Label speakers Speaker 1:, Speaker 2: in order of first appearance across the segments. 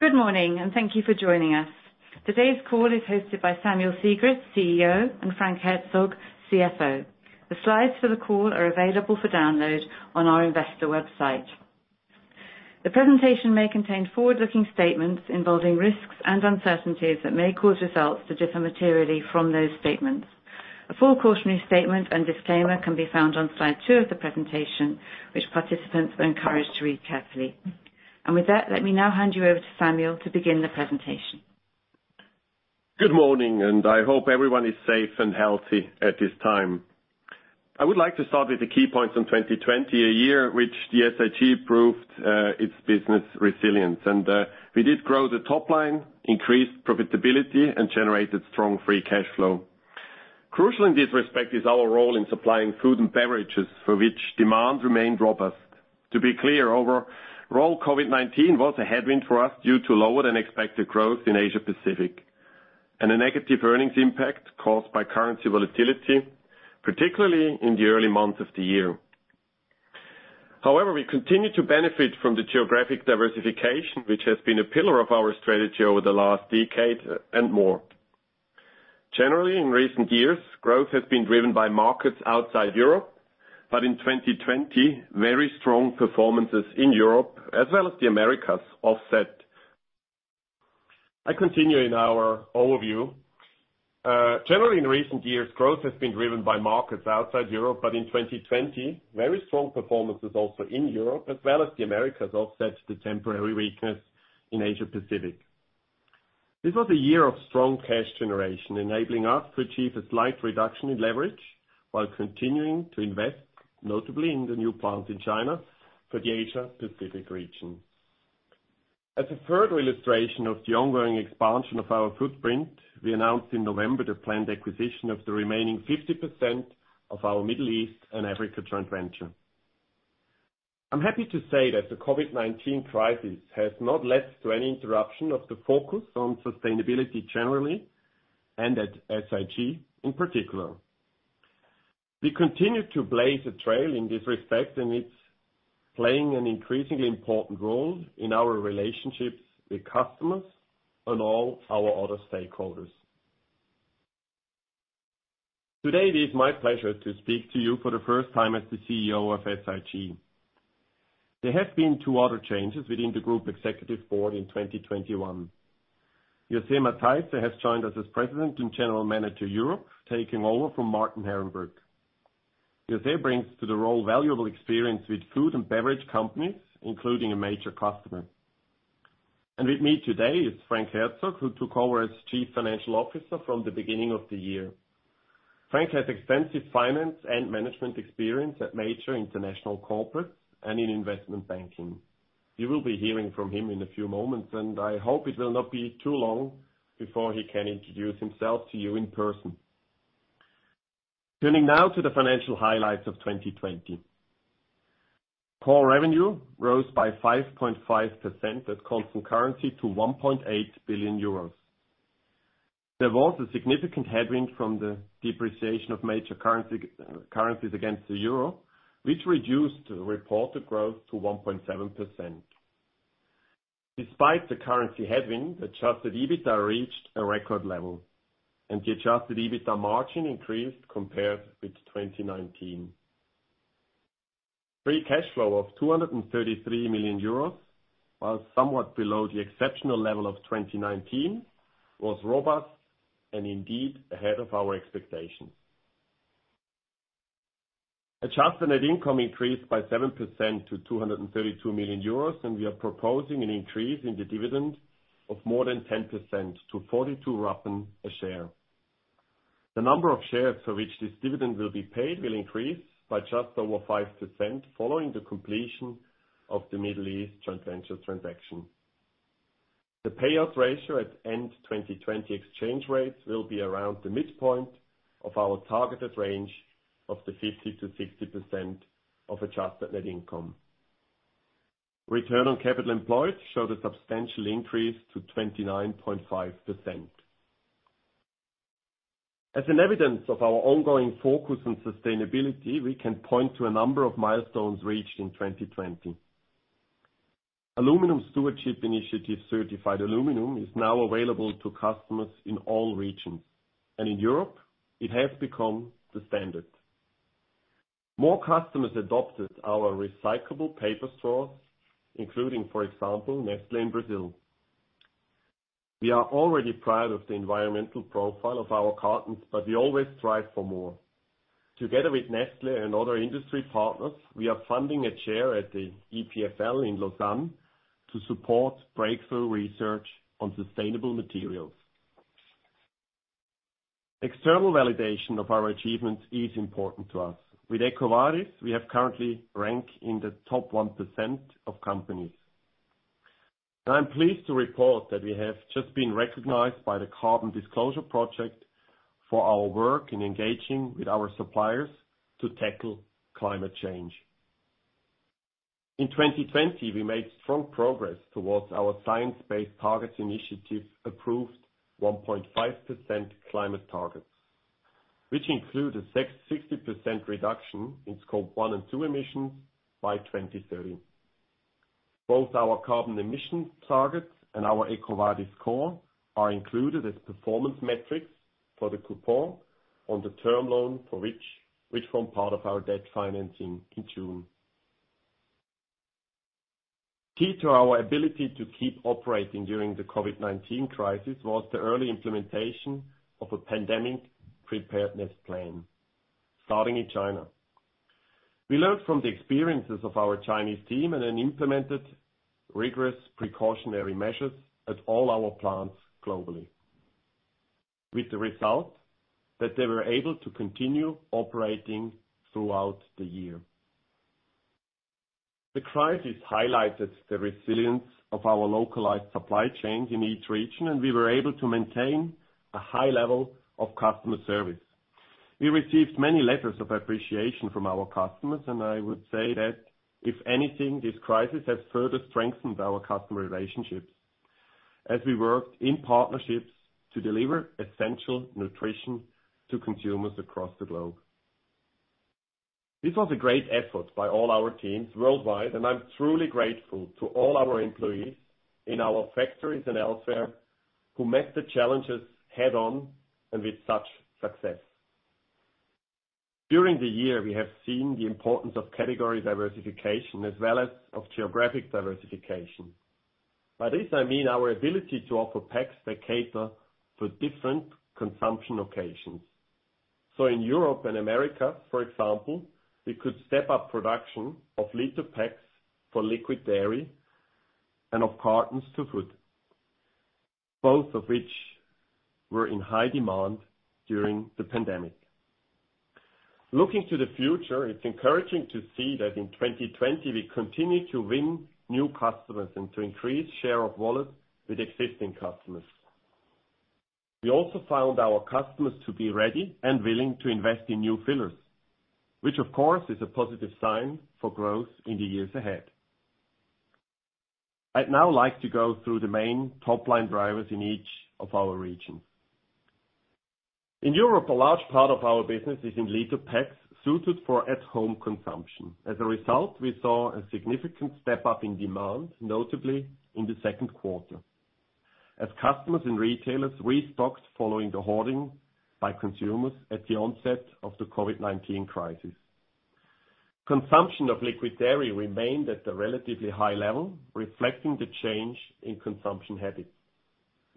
Speaker 1: Good morning, and thank you for joining us. Today's call is hosted by Samuel Sigrist, CEO, and Frank Herzog, CFO. The slides for the call are available for download on our investor website. The presentation may contain forward-looking statements involving risks and uncertainties that may cause results to differ materially from those statements. A full cautionary statement and disclaimer can be found on slide two of the presentation, which participants are encouraged to read carefully. With that, let me now hand you over to Samuel to begin the presentation.
Speaker 2: Good morning. I hope everyone is safe and healthy at this time. I would like to start with the key points on 2020, a year which SIG proved its business resilience. We did grow the top line, increased profitability, and generated strong free cash flow. Crucial in this respect is our role in supplying food and beverages, for which demand remained robust. To be clear, overall, COVID-19 was a headwind for us due to lower-than-expected growth in Asia Pacific and a negative earnings impact caused by currency volatility, particularly in the early months of the year. However, we continued to benefit from the geographic diversification, which has been a pillar of our strategy over the last decade and more. Generally, in recent years, growth has been driven by markets outside Europe, but in 2020, very strong performances in Europe as well as the Americas offset. I continue in our overview. Generally, in recent years, growth has been driven by markets outside Europe, but in 2020, very strong performances also in Europe as well as the Americas offset the temporary weakness in Asia Pacific. This was a year of strong cash generation, enabling us to achieve a slight reduction in leverage while continuing to invest, notably in the new plant in China for the Asia Pacific region. As a further illustration of the ongoing expansion of our footprint, we announced in November the planned acquisition of the remaining 50% of our Middle East and Africa joint venture. I'm happy to say that the COVID-19 crisis has not led to any interruption of the focus on sustainability generally, and at SIG in particular. We continue to blaze a trail in this respect, it's playing an increasingly important role in our relationships with customers and all our other stakeholders. Today, it is my pleasure to speak to you for the first time as the CEO of SIG. There have been two other changes within the group executive board in 2021. José Matthijsse has joined us as President and General Manager, Europe, taking over from Martin Herrenbrück. José brings to the role valuable experience with food and beverage companies, including a major customer. With me today is Frank Herzog, who took over as Chief Financial Officer from the beginning of the year. Frank has extensive finance and management experience at major international corporates and in investment banking. You will be hearing from him in a few moments, and I hope it will not be too long before he can introduce himself to you in person. Turning now to the financial highlights of 2020. Core revenue rose by 5.5% at constant currency to 1.8 billion euros. There was a significant headwind from the depreciation of major currencies against the euro, which reduced the reported growth to 1.7%. Despite the currency headwind, adjusted EBITDA reached a record level, and the adjusted EBITDA margin increased compared with 2019. Free cash flow of 233 million euros, while somewhat below the exceptional level of 2019, was robust and indeed ahead of our expectations. Adjusted net income increased by 7% to 232 million euros, and we are proposing an increase in the dividend of more than 10% to 0.42 a share. The number of shares for which this dividend will be paid will increase by just over 5% following the completion of the Middle East joint venture transaction. The payout ratio at end 2020 exchange rates will be around the midpoint of our targeted range of the 50%-60% of adjusted net income. Return on capital employed showed a substantial increase to 29.5%. As an evidence of our ongoing focus on sustainability, we can point to a number of milestones reached in 2020. Aluminium Stewardship Initiative certified aluminum is now available to customers in all regions. In Europe, it has become the standard. More customers adopted our recyclable paper straws, including, for example, Nestlé in Brazil. We are already proud of the environmental profile of our cartons, but we always strive for more. Together with Nestlé and other industry partners, we are funding a chair at the EPFL in Lausanne to support breakthrough research on sustainable materials. External validation of our achievements is important to us. With EcoVadis, we have currently ranked in the top 1% of companies. I'm pleased to report that we have just been recognized by the Carbon Disclosure Project for our work in engaging with our suppliers to tackle climate change. In 2020, we made strong progress towards our Science Based Targets initiative approved 1.5°C climate targets, which include a 60% reduction in Scope 1 and 2 emissions by 2030. Both our carbon emission targets and our EcoVadis score are included as performance metrics for the coupon on the term loan, which form part of our debt financing in June. Key to our ability to keep operating during the COVID-19 crisis was the early implementation of a pandemic preparedness plan, starting in China. We learned from the experiences of our Chinese team and then implemented rigorous precautionary measures at all our plants globally, with the result that they were able to continue operating throughout the year. The crisis highlighted the resilience of our localized supply chains in each region, and we were able to maintain a high level of customer service. We received many letters of appreciation from our customers, and I would say that if anything, this crisis has further strengthened our customer relationships as we worked in partnerships to deliver essential nutrition to consumers across the globe. This was a great effort by all our teams worldwide, and I'm truly grateful to all our employees in our factories and elsewhere who met the challenges head-on and with such success. During the year, we have seen the importance of category diversification as well as of geographic diversification. By this, I mean our ability to offer packs that cater to different consumption occasions. In Europe and America, for example, we could step up production of liter packs for liquid dairy and of cartons to food, both of which were in high demand during the pandemic. Looking to the future, it's encouraging to see that in 2020, we continued to win new customers and to increase share of wallet with existing customers. We also found our customers to be ready and willing to invest in new fillers, which, of course, is a positive sign for growth in the years ahead. I'd now like to go through the main top-line drivers in each of our regions. In Europe, a large part of our business is in liter packs suited for at-home consumption. As a result, we saw a significant step-up in demand, notably in the second quarter, as customers and retailers restocked following the hoarding by consumers at the onset of the COVID-19 crisis. Consumption of liquid dairy remained at a relatively high level, reflecting the change in consumption habits.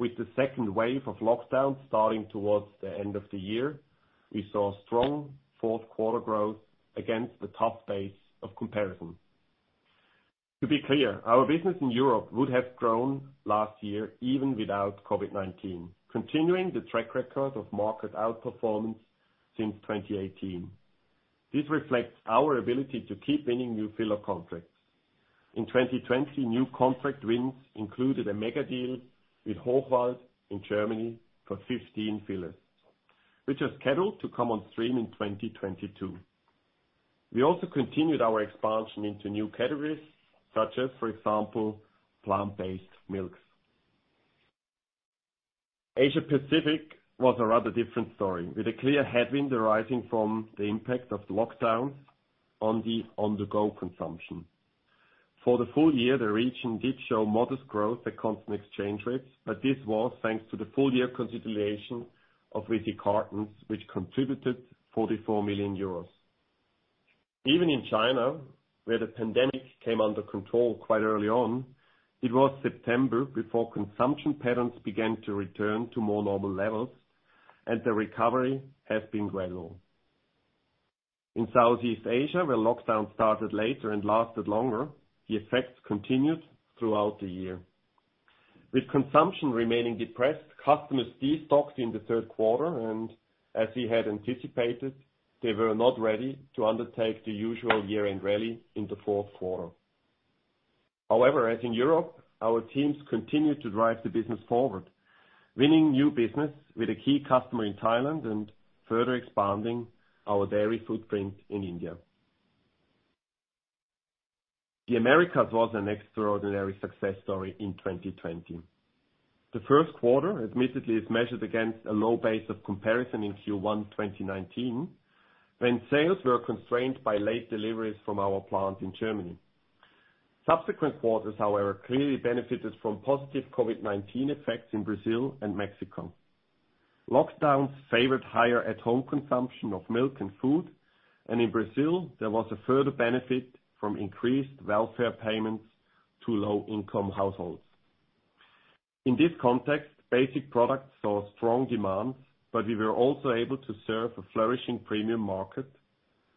Speaker 2: With the second wave of lockdowns starting towards the end of the year, we saw strong fourth quarter growth against the tough base of comparison. To be clear, our business in Europe would have grown last year even without COVID-19, continuing the track record of market outperformance since 2018. This reflects our ability to keep winning new filler contracts. In 2020, new contract wins included a mega deal with Hochwald in Germany for 15 fillers, which are scheduled to come on stream in 2022. We also continued our expansion into new categories such as, for example, plant-based milks. Asia Pacific was a rather different story, with a clear headwind arising from the impact of lockdowns on the on-the-go consumption. For the full year, the region did show modest growth at constant exchange rates. This was thanks to the full year consolidation of Visy Cartons, which contributed 44 million euros. Even in China, where the pandemic came under control quite early on, it was September before consumption patterns began to return to more normal levels, and the recovery has been gradual. In Southeast Asia, where lockdowns started later and lasted longer, the effects continued throughout the year. With consumption remaining depressed, customers de-stocked in the third quarter, and as we had anticipated, they were not ready to undertake the usual year-end rally in the fourth quarter. However, as in Europe, our teams continued to drive the business forward, winning new business with a key customer in Thailand and further expanding our dairy footprint in India. The Americas was an extraordinary success story in 2020. The first quarter, admittedly, is measured against a low base of comparison in Q1 2019, when sales were constrained by late deliveries from our plant in Germany. Subsequent quarters, however, clearly benefited from positive COVID-19 effects in Brazil and Mexico. Lockdowns favored higher at-home consumption of milk and food, and in Brazil, there was a further benefit from increased welfare payments to low-income households. In this context, basic products saw strong demand, but we were also able to serve a flourishing premium market,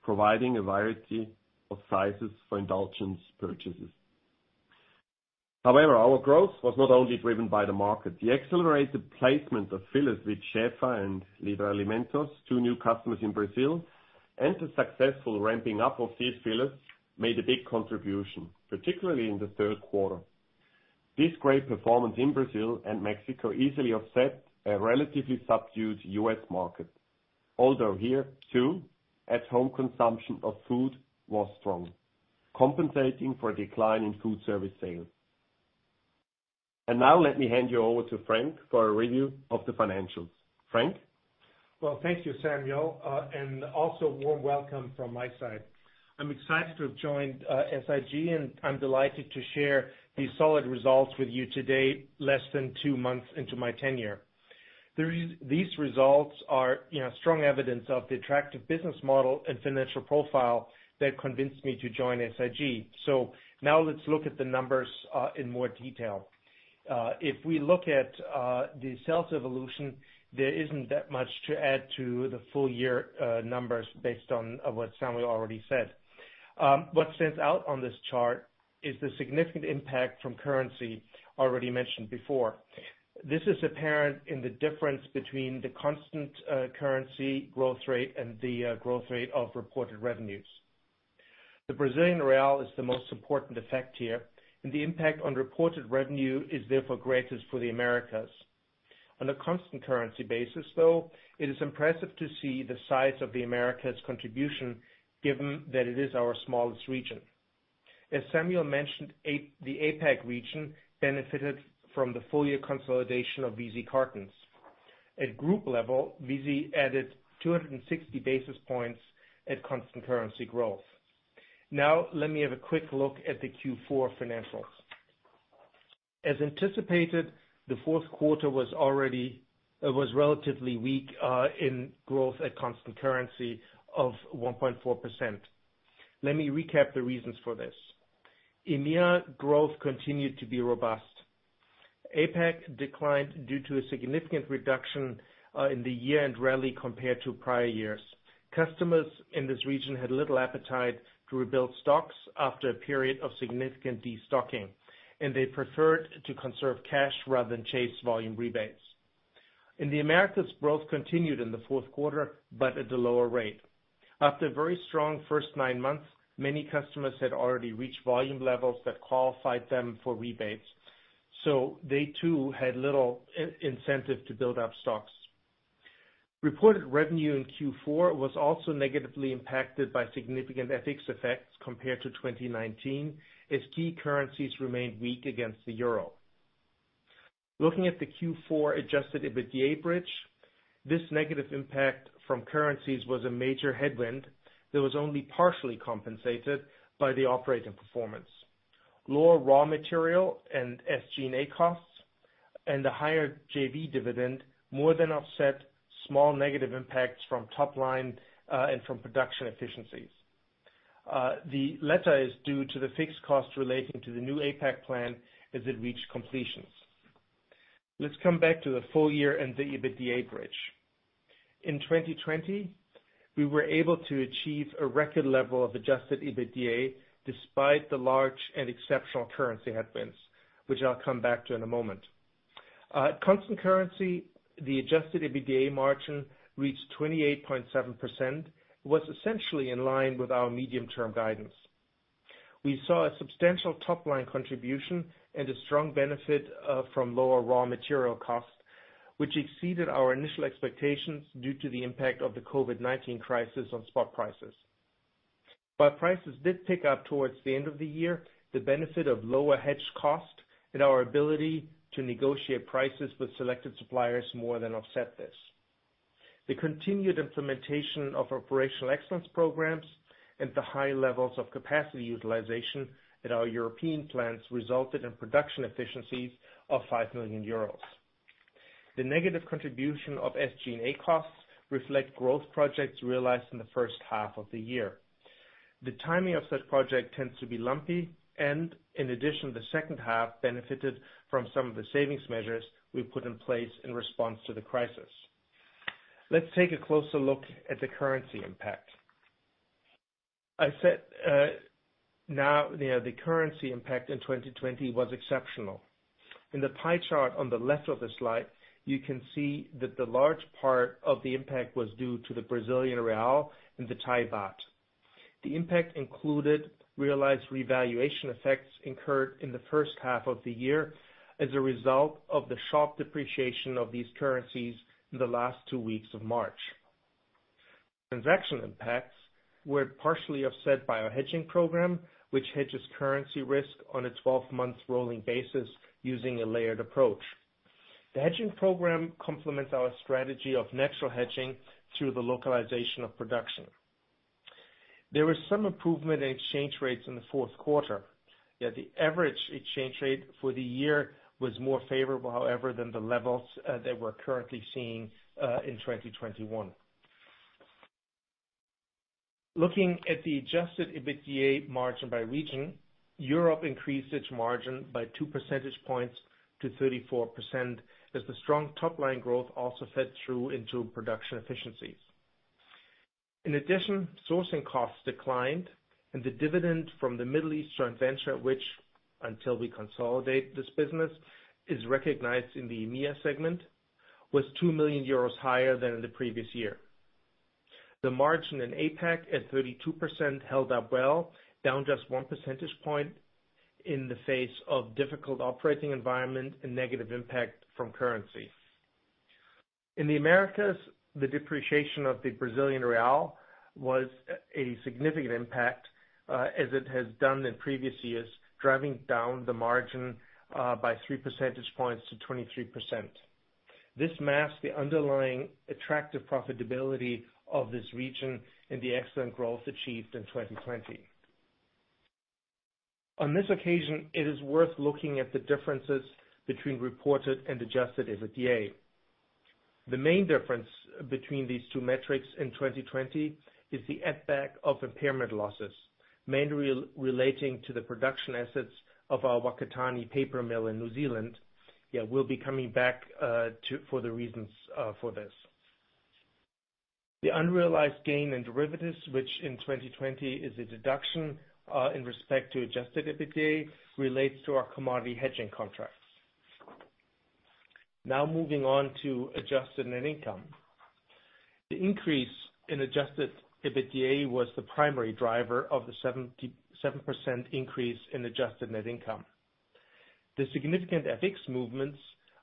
Speaker 2: providing a variety of sizes for indulgence purchases. However, our growth was not only driven by the market. The accelerated placement of fillers with Shefa and Líder Alimentos, two new customers in Brazil, and the successful ramping up of these fillers made a big contribution, particularly in the third quarter. This great performance in Brazil and Mexico easily offset a relatively subdued U.S. market. Although here, too, at-home consumption of food was strong, compensating for a decline in food service sales. Now let me hand you over to Frank for a review of the financials. Frank?
Speaker 3: Well, thank you, Samuel, and also warm welcome from my side. I'm excited to have joined SIG, and I'm delighted to share these solid results with you today, less than two months into my tenure. These results are strong evidence of the attractive business model and financial profile that convinced me to join SIG. Now let's look at the numbers in more detail. If we look at the sales evolution, there isn't that much to add to the full year numbers based on what Samuel already said. What stands out on this chart is the significant impact from currency already mentioned before. This is apparent in the difference between the constant currency growth rate and the growth rate of reported revenues. The Brazilian Real is the most important effect here, and the impact on reported revenue is therefore greatest for the Americas. On a constant currency basis, it is impressive to see the size of the Americas contribution given that it is our smallest region. As Samuel mentioned, the APAC region benefited from the full-year consolidation of Visy Cartons. At group level, Visy added 260 basis points at constant currency growth. Let me have a quick look at the Q4 financials. As anticipated, the fourth quarter was relatively weak in growth at constant currency of 1.4%. Let me recap the reasons for this. EMEA growth continued to be robust. APAC declined due to a significant reduction in the year-end rally compared to prior years. Customers in this region had little appetite to rebuild stocks after a period of significant destocking, and they preferred to conserve cash rather than chase volume rebates. In the Americas, growth continued in the fourth quarter, but at a lower rate. After a very strong first nine months, many customers had already reached volume levels that qualified them for rebates, so they too had little incentive to build up stocks. Reported revenue in Q4 was also negatively impacted by significant FX effects compared to 2019, as key currencies remained weak against the euro. Looking at the Q4 adjusted EBITDA bridge, this negative impact from currencies was a major headwind that was only partially compensated by the operating performance. Lower raw material and SG&A costs and a higher JV dividend more than offset small negative impacts from top line and from production efficiencies. The latter is due to the fixed costs relating to the new APAC plant as it reached completions. Let's come back to the full year and the EBITDA bridge. In 2020, we were able to achieve a record level of adjusted EBITDA despite the large and exceptional currency headwinds, which I'll come back to in a moment. At constant currency, the adjusted EBITDA margin reached 28.7%, was essentially in line with our medium-term guidance. We saw a substantial top-line contribution and a strong benefit from lower raw material costs, which exceeded our initial expectations due to the impact of the COVID-19 crisis on spot prices. Prices did pick up towards the end of the year, the benefit of lower hedge cost and our ability to negotiate prices with selected suppliers more than offset this. The continued implementation of operational excellence programs and the high levels of capacity utilization at our European plants resulted in production efficiencies of 5 million euros. The negative contribution of SG&A costs reflect growth projects realized in the first half of the year. The timing of such project tends to be lumpy, and in addition, the second half benefited from some of the savings measures we put in place in response to the crisis. Let's take a closer look at the currency impact. I said the currency impact in 2020 was exceptional. In the pie chart on the left of the slide, you can see that the large part of the impact was due to the Brazilian real and the Thai baht. The impact included realized revaluation effects incurred in the first half of the year as a result of the sharp depreciation of these currencies in the last two weeks of March. Transaction impacts were partially offset by our hedging program, which hedges currency risk on a 12-month rolling basis using a layered approach. The hedging program complements our strategy of natural hedging through the localization of production. There was some improvement in exchange rates in the fourth quarter. The average exchange rate for the year was more favorable, however, than the levels that we're currently seeing in 2021. Looking at the adjusted EBITDA margin by region, Europe increased its margin by 2 percentage points to 34% as the strong top-line growth also fed through into production efficiencies. In addition, sourcing costs declined and the dividend from the Middle East joint venture, which until we consolidate this business, is recognized in the EMEA segment, was 2 million euros higher than in the previous year. The margin in APAC at 32% held up well, down just one percentage point in the face of difficult operating environment and negative impact from currency. In the Americas, the depreciation of the Brazilian real was a significant impact, as it has done in previous years, driving down the margin by three percentage points to 23%. This masks the underlying attractive profitability of this region and the excellent growth achieved in 2020. On this occasion, it is worth looking at the differences between reported and adjusted EBITDA. The main difference between these two metrics in 2020 is the add back of impairment losses, mainly relating to the production assets of our Whakatāne paper mill in New Zealand. We'll be coming back for the reasons for this. The unrealized gain in derivatives, which in 2020 is a deduction in respect to adjusted EBITDA, relates to our commodity hedging contracts. Moving on to adjusted net income. The increase in adjusted EBITDA was the primary driver of the 7% increase in adjusted net income. The significant FX movements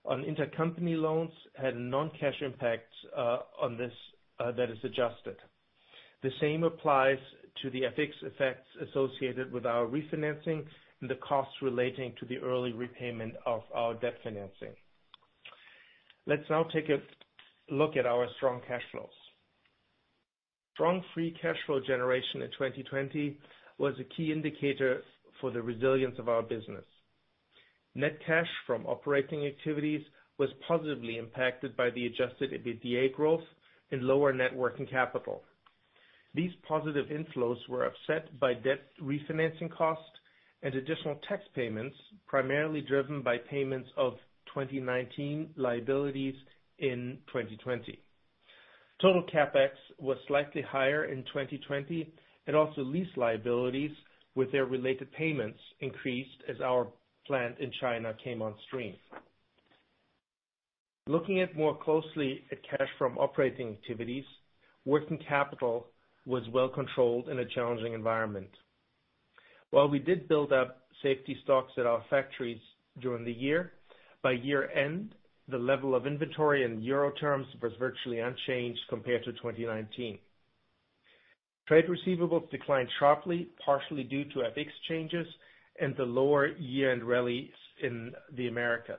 Speaker 3: on intercompany loans had a non-cash impact on this that is adjusted. The same applies to the FX effects associated with our refinancing and the costs relating to the early repayment of our debt financing. Let's now take a look at our strong cash flows. Strong free cash flow generation in 2020 was a key indicator for the resilience of our business. Net cash from operating activities was positively impacted by the adjusted EBITDA growth and lower net working capital. These positive inflows were offset by debt refinancing costs and additional tax payments, primarily driven by payments of 2019 liabilities in 2020. Total CapEx was slightly higher in 2020, and also lease liabilities with their related payments increased as our plant in China came on stream. Looking at more closely at cash from operating activities, working capital was well controlled in a challenging environment. While we did build up safety stocks at our factories during the year, by year-end, the level of inventory in Euro terms was virtually unchanged compared to 2019. Trade receivables declined sharply, partially due to FX changes and the lower year-end rallies in the Americas.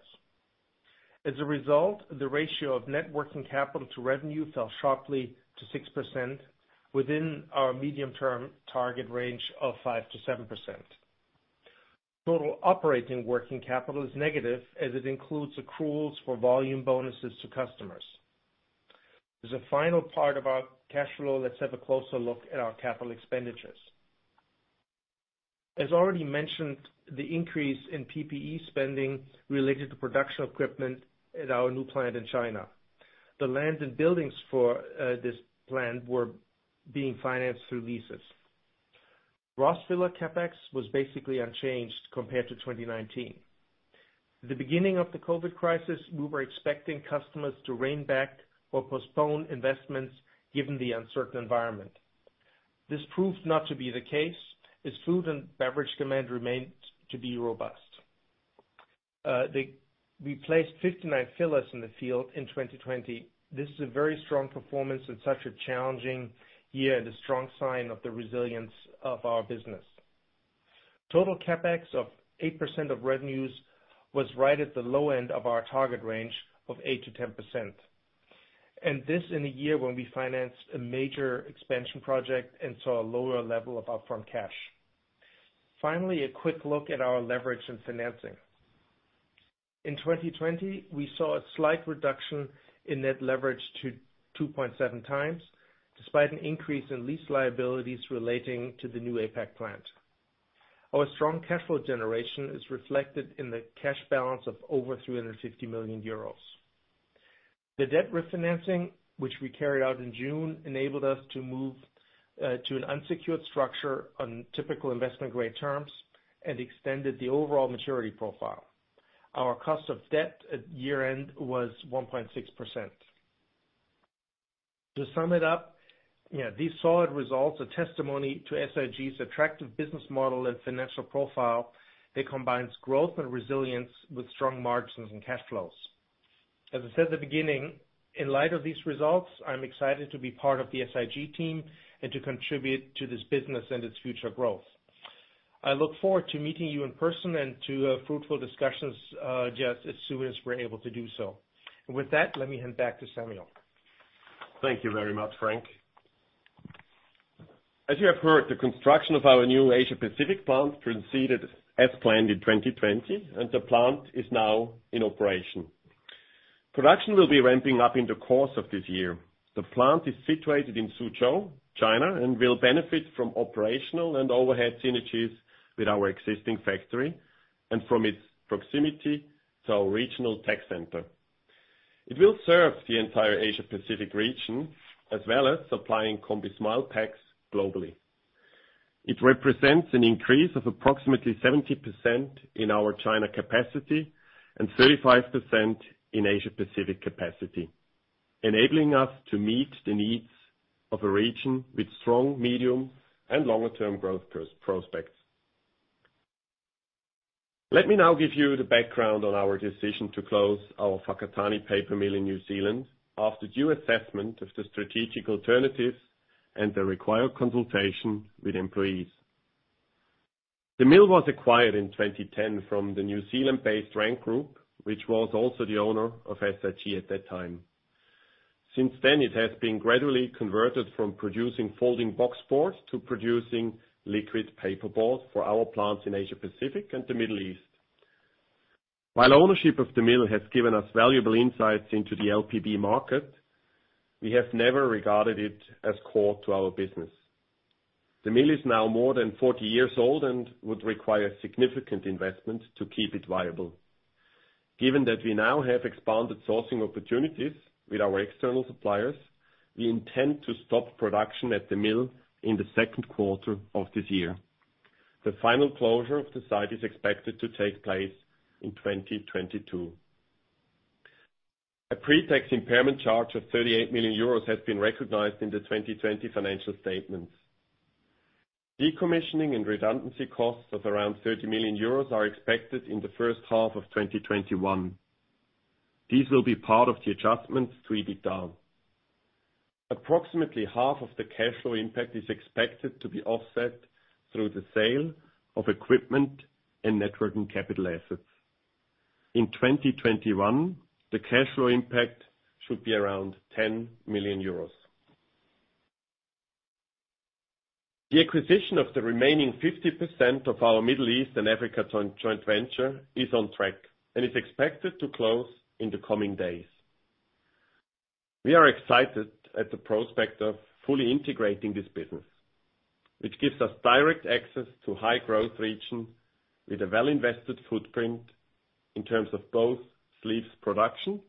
Speaker 3: As a result, the ratio of net working capital to revenue fell sharply to 6%, within our medium-term target range of 5%-7%. Total operating working capital is negative as it includes accruals for volume bonuses to customers. As a final part of our cash flow, let's have a closer look at our capital expenditures. As already mentioned, the increase in PPE spending related to production equipment at our new plant in China. The land and buildings for this plant were being financed through leases. Gross filler CapEx was basically unchanged compared to 2019. At the beginning of the COVID crisis, we were expecting customers to rein back or postpone investments given the uncertain environment. This proved not to be the case, as food and beverage demand remained to be robust. We placed 59 fillers in the field in 2020. This is a very strong performance in such a challenging year and a strong sign of the resilience of our business. Total CapEx of 8% of revenues was right at the low end of our target range of 8%-10%. This in a year when we financed a major expansion project and saw a lower level of upfront cash. Finally, a quick look at our leverage and financing. In 2020, we saw a slight reduction in net leverage to 2.7x, despite an increase in lease liabilities relating to the new APAC plant. Our strong cash flow generation is reflected in the cash balance of over 350 million euros. The debt refinancing, which we carried out in June, enabled us to move to an unsecured structure on typical investment-grade terms and extended the overall maturity profile. Our cost of debt at year-end was 1.6%. To sum it up, these solid results are testimony to SIG's attractive business model and financial profile that combines growth and resilience with strong margins and cash flows. As I said at the beginning, in light of these results, I'm excited to be part of the SIG team and to contribute to this business and its future growth. I look forward to meeting you in person and to fruitful discussions, just as soon as we are able to do so. With that, let me hand back to Samuel.
Speaker 2: Thank you very much, Frank. As you have heard, the construction of our new Asia Pacific plant proceeded as planned in 2020, and the plant is now in operation. Production will be ramping up in the course of this year. The plant is situated in Suzhou, China, and will benefit from operational and overhead synergies with our existing factory and from its proximity to our regional tech center. It will serve the entire Asia Pacific region, as well as supplying combismile packs globally. It represents an increase of approximately 70% in our China capacity and 35% in Asia Pacific capacity, enabling us to meet the needs of a region with strong, medium, and longer term growth prospects. Let me now give you the background on our decision to close our Whakatāne paper mill in New Zealand after due assessment of the strategic alternatives and the required consultation with employees. The mill was acquired in 2010 from the New Zealand-based Rank Group, which was also the owner of SIG at that time. Since then, it has been gradually converted from producing folding boxboard to producing liquid paperboard for our plants in Asia Pacific and the Middle East. While ownership of the mill has given us valuable insights into the LPB market, we have never regarded it as core to our business. The mill is now more than 40 years old and would require significant investment to keep it viable. Given that we now have expanded sourcing opportunities with our external suppliers, we intend to stop production at the mill in the second quarter of this year. The final closure of the site is expected to take place in 2022. A pre-tax impairment charge of 38 million euros has been recognized in the 2020 financial statements. Decommissioning and redundancy costs of around 30 million euros are expected in the first half of 2021. These will be part of the adjustments to EBITDA. Approximately half of the cash flow impact is expected to be offset through the sale of equipment and net working capital assets. In 2021, the cash flow impact should be around 10 million euros. The acquisition of the remaining 50% of our Middle East and Africa joint venture is on track, and is expected to close in the coming days. We are excited at the prospect of fully integrating this business. It gives us direct access to high-growth region with a well-invested footprint in terms of both sleeves production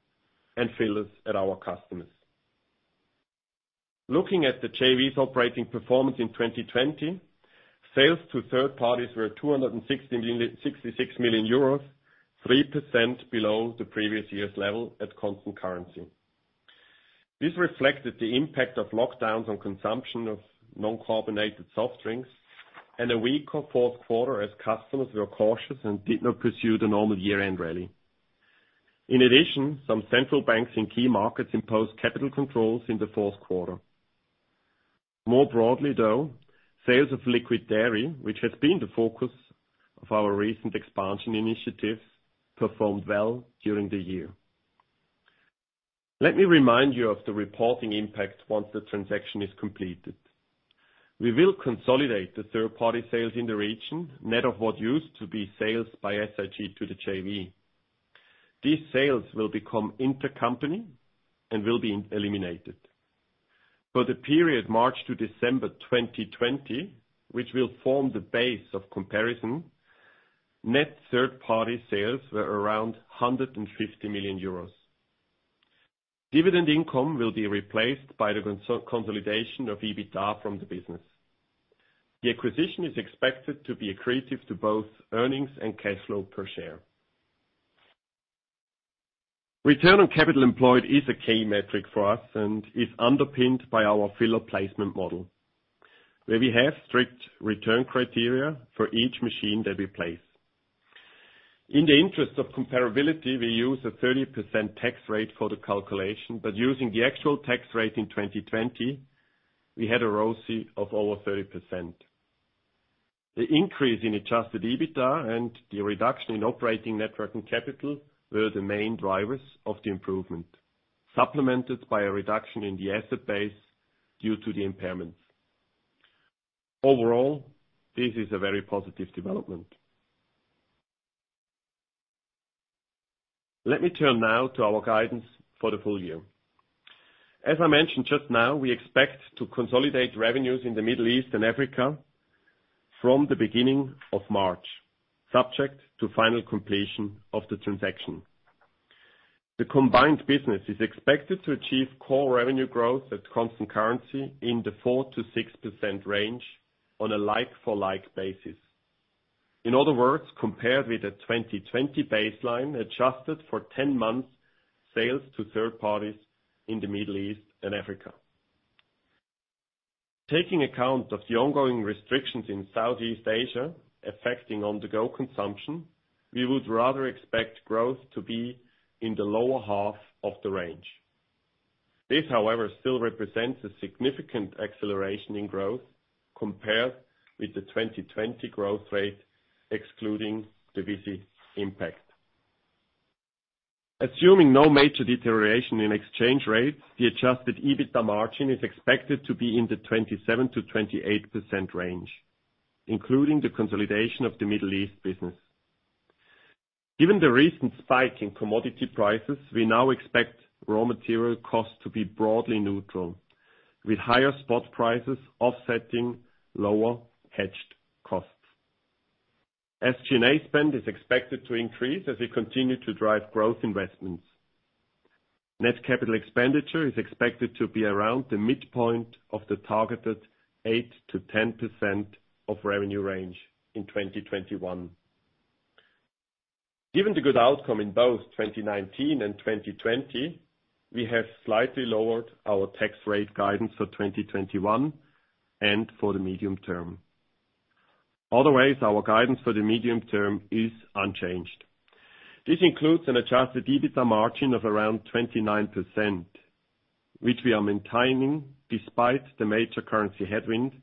Speaker 2: and fillers at our customers. Looking at the JV's operating performance in 2020, sales to third parties were 266 million euros, 3% below the previous year's level at constant currency. This reflected the impact of lockdowns on consumption of non-carbonated soft drinks and a weaker fourth quarter as customers were cautious and did not pursue the normal year-end rally. In addition, some central banks in key markets imposed capital controls in the fourth quarter. More broadly, though, sales of liquid dairy, which has been the focus of our recent expansion initiatives, performed well during the year. Let me remind you of the reporting impact once the transaction is completed. We will consolidate the third-party sales in the region, net of what used to be sales by SIG to the JV. These sales will become intercompany and will be eliminated. For the period March to December 2020, which will form the base of comparison, net third-party sales were around 150 million euros. Dividend income will be replaced by the consolidation of EBITDA from the business. The acquisition is expected to be accretive to both earnings and cash flow per share. Return on capital employed is a key metric for us and is underpinned by our filler placement model, where we have strict return criteria for each machine that we place. In the interest of comparability, we use a 30% tax rate for the calculation, but using the actual tax rate in 2020, we had a ROCE of over 30%. The increase in adjusted EBITDA and the reduction in operating net working capital were the main drivers of the improvement, supplemented by a reduction in the asset base due to the impairments. Overall, this is a very positive development. Let me turn now to our guidance for the full year. As I mentioned just now, we expect to consolidate revenues in the Middle East and Africa from the beginning of March, subject to final completion of the transaction. The combined business is expected to achieve core revenue growth at constant currency in the 4%-6% range on a like-for-like basis. In other words, compared with a 2020 baseline adjusted for 10 months sales to third parties in the Middle East and Africa. Taking account of the ongoing restrictions in Southeast Asia affecting on-the-go consumption, we would rather expect growth to be in the lower half of the range. This, however, still represents a significant acceleration in growth compared with the 2020 growth rate, excluding the Visy impact. Assuming no major deterioration in exchange rates, the adjusted EBITDA margin is expected to be in the 27%-28% range, including the consolidation of the Middle East business. Given the recent spike in commodity prices, we now expect raw material costs to be broadly neutral, with higher spot prices offsetting lower hedged costs. SG&A spend is expected to increase as we continue to drive growth investments. Net capital expenditure is expected to be around the midpoint of the targeted 8%-10% of revenue range in 2021. Given the good outcome in both 2019 and 2020, we have slightly lowered our tax rate guidance for 2021 and for the medium term. Otherwise, our guidance for the medium term is unchanged. This includes an adjusted EBITDA margin of around 29%, which we are maintaining despite the major currency headwind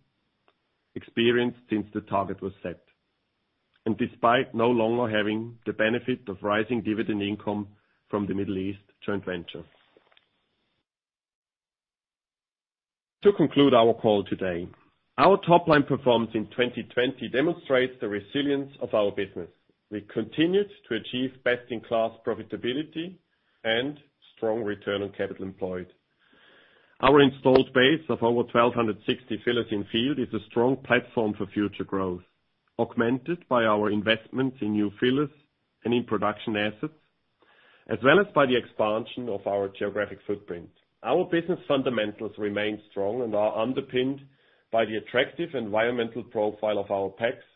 Speaker 2: experienced since the target was set, and despite no longer having the benefit of rising dividend income from the Middle East joint venture. To conclude our call today, our top-line performance in 2020 demonstrates the resilience of our business. We continued to achieve best-in-class profitability and strong return on capital employed. Our installed base of over 1,260 fillers in field is a strong platform for future growth, augmented by our investments in new fillers and in production assets, as well as by the expansion of our geographic footprint. Our business fundamentals remain strong and are underpinned by the attractive environmental profile of our packs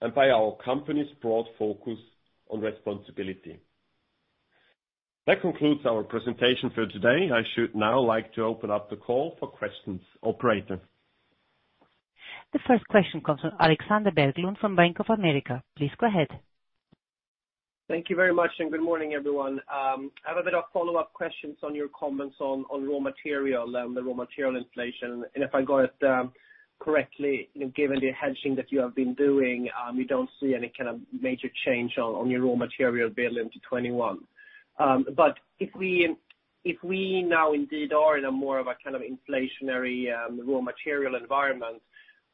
Speaker 2: and by our company's broad focus on responsibility. That concludes our presentation for today. I should now like to open up the call for questions. Operator?
Speaker 4: The first question comes from Alexander Berglund from Bank of America. Please go ahead.
Speaker 5: Thank you very much, and good morning, everyone. I have a bit of follow-up questions on your comments on raw material and the raw material inflation. If I got it correctly, given the hedging that you have been doing, you don't see any kind of major change on your raw material bill into 2021. If we now indeed are in a more of a kind of inflationary raw material environment,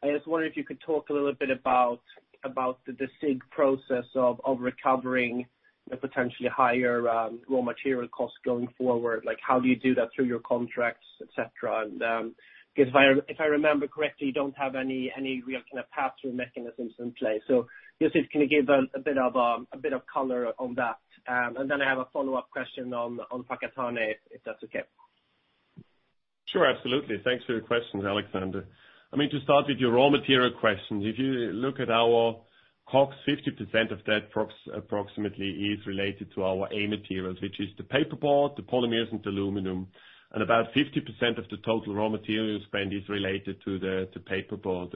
Speaker 5: I just wonder if you could talk a little bit about the SIG process of recovering the potentially higher raw material costs going forward. How do you do that through your contracts, et cetera? Because if I remember correctly, you don't have any real kind of pass-through mechanisms in place. Just if you can give a bit of color on that. Then I have a follow-up question on Whakatāne, if that's okay.
Speaker 2: Sure. Absolutely. Thanks for your questions, Alexander. I mean, to start with your raw material questions, if you look at our COGS, 50% of that approximately is related to our A materials, which is the paperboard, the polymers, and aluminum. About 50% of the total raw material spend is related to paperboard.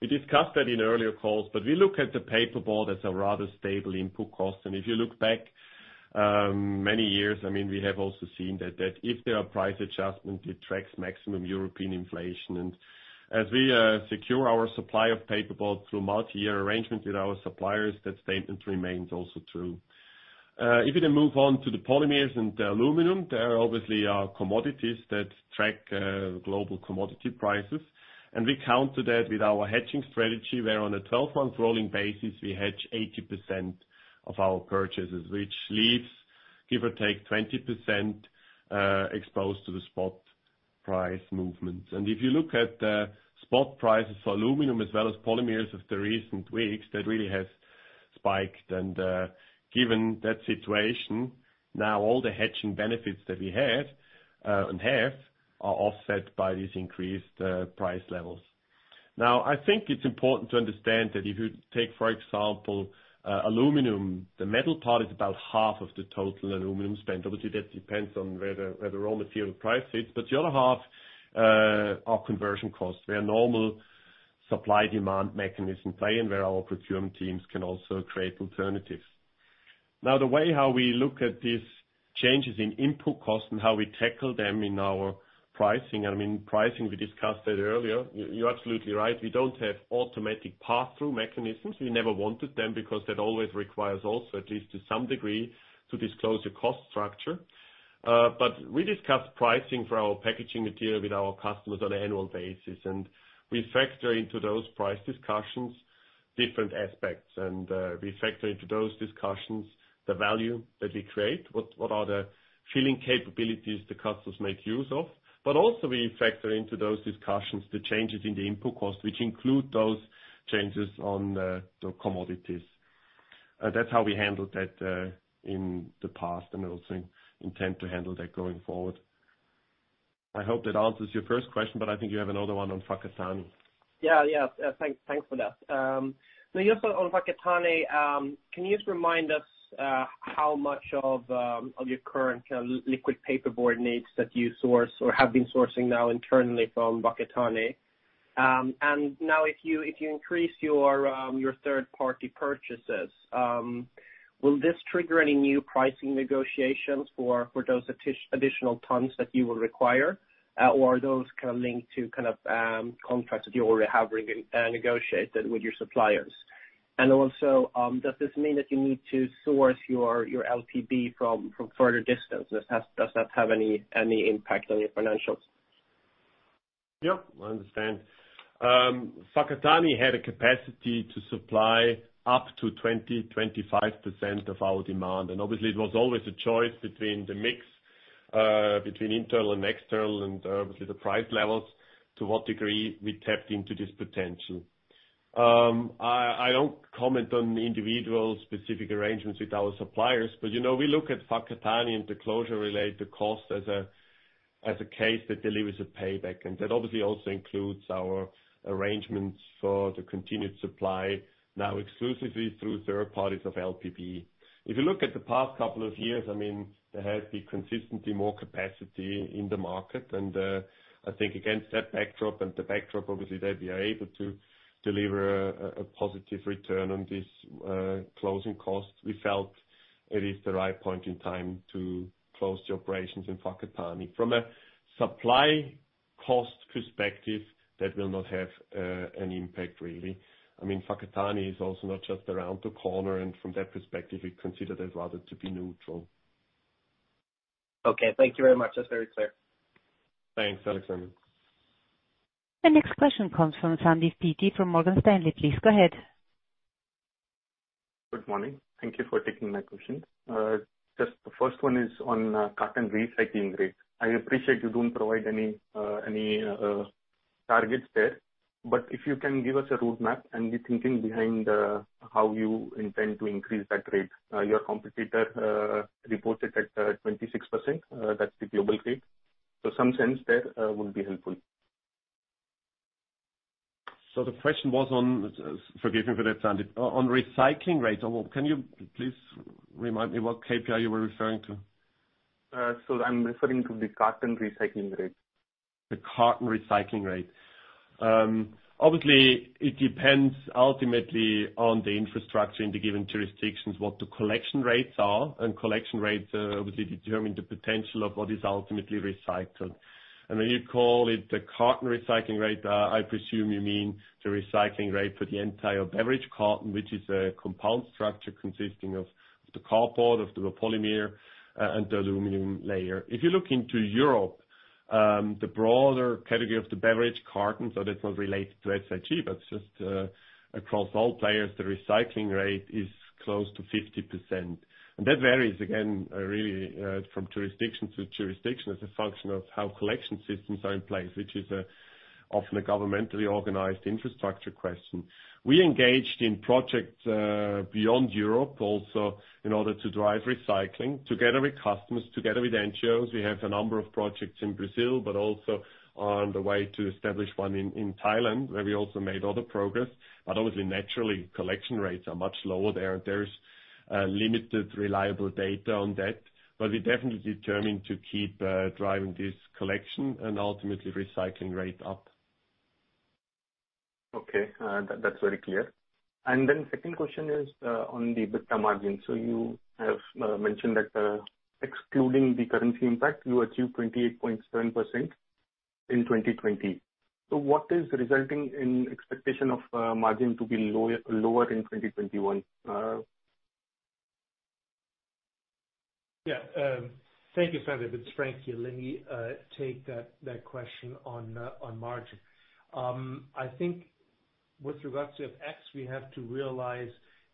Speaker 2: We discussed that in earlier calls, but we look at the paperboard as a rather stable input cost. If you look back, many years, I mean, we have also seen that if there are price adjustments, it tracks maximum European inflation. As we secure our supply of paperboard through multi-year arrangements with our suppliers, that statement remains also true. If you then move on to the polymers and aluminum, there obviously are commodities that track global commodity prices. We counter that with our hedging strategy, where on a 12-month rolling basis, we hedge 80% of our purchases, which leaves, give or take, 20% exposed to the spot price movements. If you look at the spot prices for aluminium as well as polymers of the recent weeks, that really has spiked. Given that situation, now all the hedging benefits that we had and have are offset by these increased price levels. I think it's important to understand that if you take, for example, aluminium, the metal part is about half of the total aluminium spend. Obviously, that depends on where the raw material price sits. The other half are conversion costs, where normal supply-demand mechanisms play in, where our procurement teams can also create alternatives. The way how we look at these changes in input costs and how we tackle them in our pricing, I mean, pricing, we discussed that earlier. You're absolutely right. We don't have automatic pass-through mechanisms. We never wanted them because that always requires also, at least to some degree, to disclose the cost structure. We discuss pricing for our packaging material with our customers on an annual basis, we factor into those price discussions different aspects. We factor into those discussions the value that we create. What are the filling capabilities the customers make use of? Also, we factor into those discussions the changes in the input costs, which include those changes on the commodities. That's how we handled that in the past, also intend to handle that going forward. I hope that answers your first question, but I think you have another one on Whakatāne.
Speaker 5: Yeah. Thanks for that. Also on Whakatāne, can you just remind us how much of your current liquid packaging board needs that you source or have been sourcing now internally from Whakatāne? Now if you increase your third-party purchases, will this trigger any new pricing negotiations for those additional tons that you will require? Are those kind of linked to contracts that you already have negotiated with your suppliers? Also, does this mean that you need to source your LPB from further distance? Does that have any impact on your financials?
Speaker 2: Yep, I understand. Whakatāne had a capacity to supply up to 20%-25% of our demand, and obviously it was always a choice between the mix, between internal and external and obviously the price levels to what degree we tapped into this potential. I don't comment on individual specific arrangements with our suppliers, but we look at Whakatāne and the closure-related cost as a case that delivers a payback, and that obviously also includes our arrangements for the continued supply now exclusively through third parties of LPB. If you look at the past couple of years, there has been consistently more capacity in the market. I think, again, that backdrop and the backdrop, obviously, that we are able to deliver a positive return on this closing cost, we felt it is the right point in time to close the operations in Whakatāne. From a supply cost perspective, that will not have an impact, really. Whakatāne is also not just around the corner, and from that perspective, we consider that rather to be neutral.
Speaker 5: Okay. Thank you very much. That's very clear.
Speaker 2: Thanks, Alexander.
Speaker 4: The next question comes from Sandeep Peety from Morgan Stanley. Please go ahead.
Speaker 6: Good morning. Thank you for taking my question. Just the first one is on carton recycling rate. I appreciate you don't provide any targets there. If you can give us a roadmap and the thinking behind how you intend to increase that rate. Your competitor reported at 26%, that's the global rate. Some sense there will be helpful.
Speaker 2: The question was on, forgive me for that, Sandeep, on recycling rates. Can you please remind me what KPI you were referring to?
Speaker 6: I'm referring to the carton recycling rate.
Speaker 2: The carton recycling rate. Obviously, it depends ultimately on the infrastructure in the given jurisdictions, what the collection rates are, and collection rates obviously determine the potential of what is ultimately recycled. When you call it the carton recycling rate, I presume you mean the recycling rate for the entire beverage carton, which is a compound structure consisting of the cardboard, of the polymer, and the aluminum layer. If you look into Europe, the broader category of the beverage carton, so that's not related to SIG, that's just across all players, the recycling rate is close to 50%. That varies again, really, from jurisdiction to jurisdiction as a function of how collection systems are in place, which is often a governmentally organized infrastructure question. We engaged in projects beyond Europe also in order to drive recycling together with customers, together with NGOs. We have a number of projects in Brazil, but also on the way to establish one in Thailand, where we also made other progress. Obviously, naturally, collection rates are much lower there. There's limited reliable data on that, but we're definitely determined to keep driving this collection and ultimately recycling rate up.
Speaker 6: Okay. That's very clear. Second question is on the EBITDA margin. You have mentioned that excluding the currency impact, you achieved 28.7% in 2020. What is resulting in expectation of margin to be lower in 2021?
Speaker 3: Yeah. Thank you, Sandeep. It's Frank here. Let me take that question on margin. I think with regards to FX, we have to realize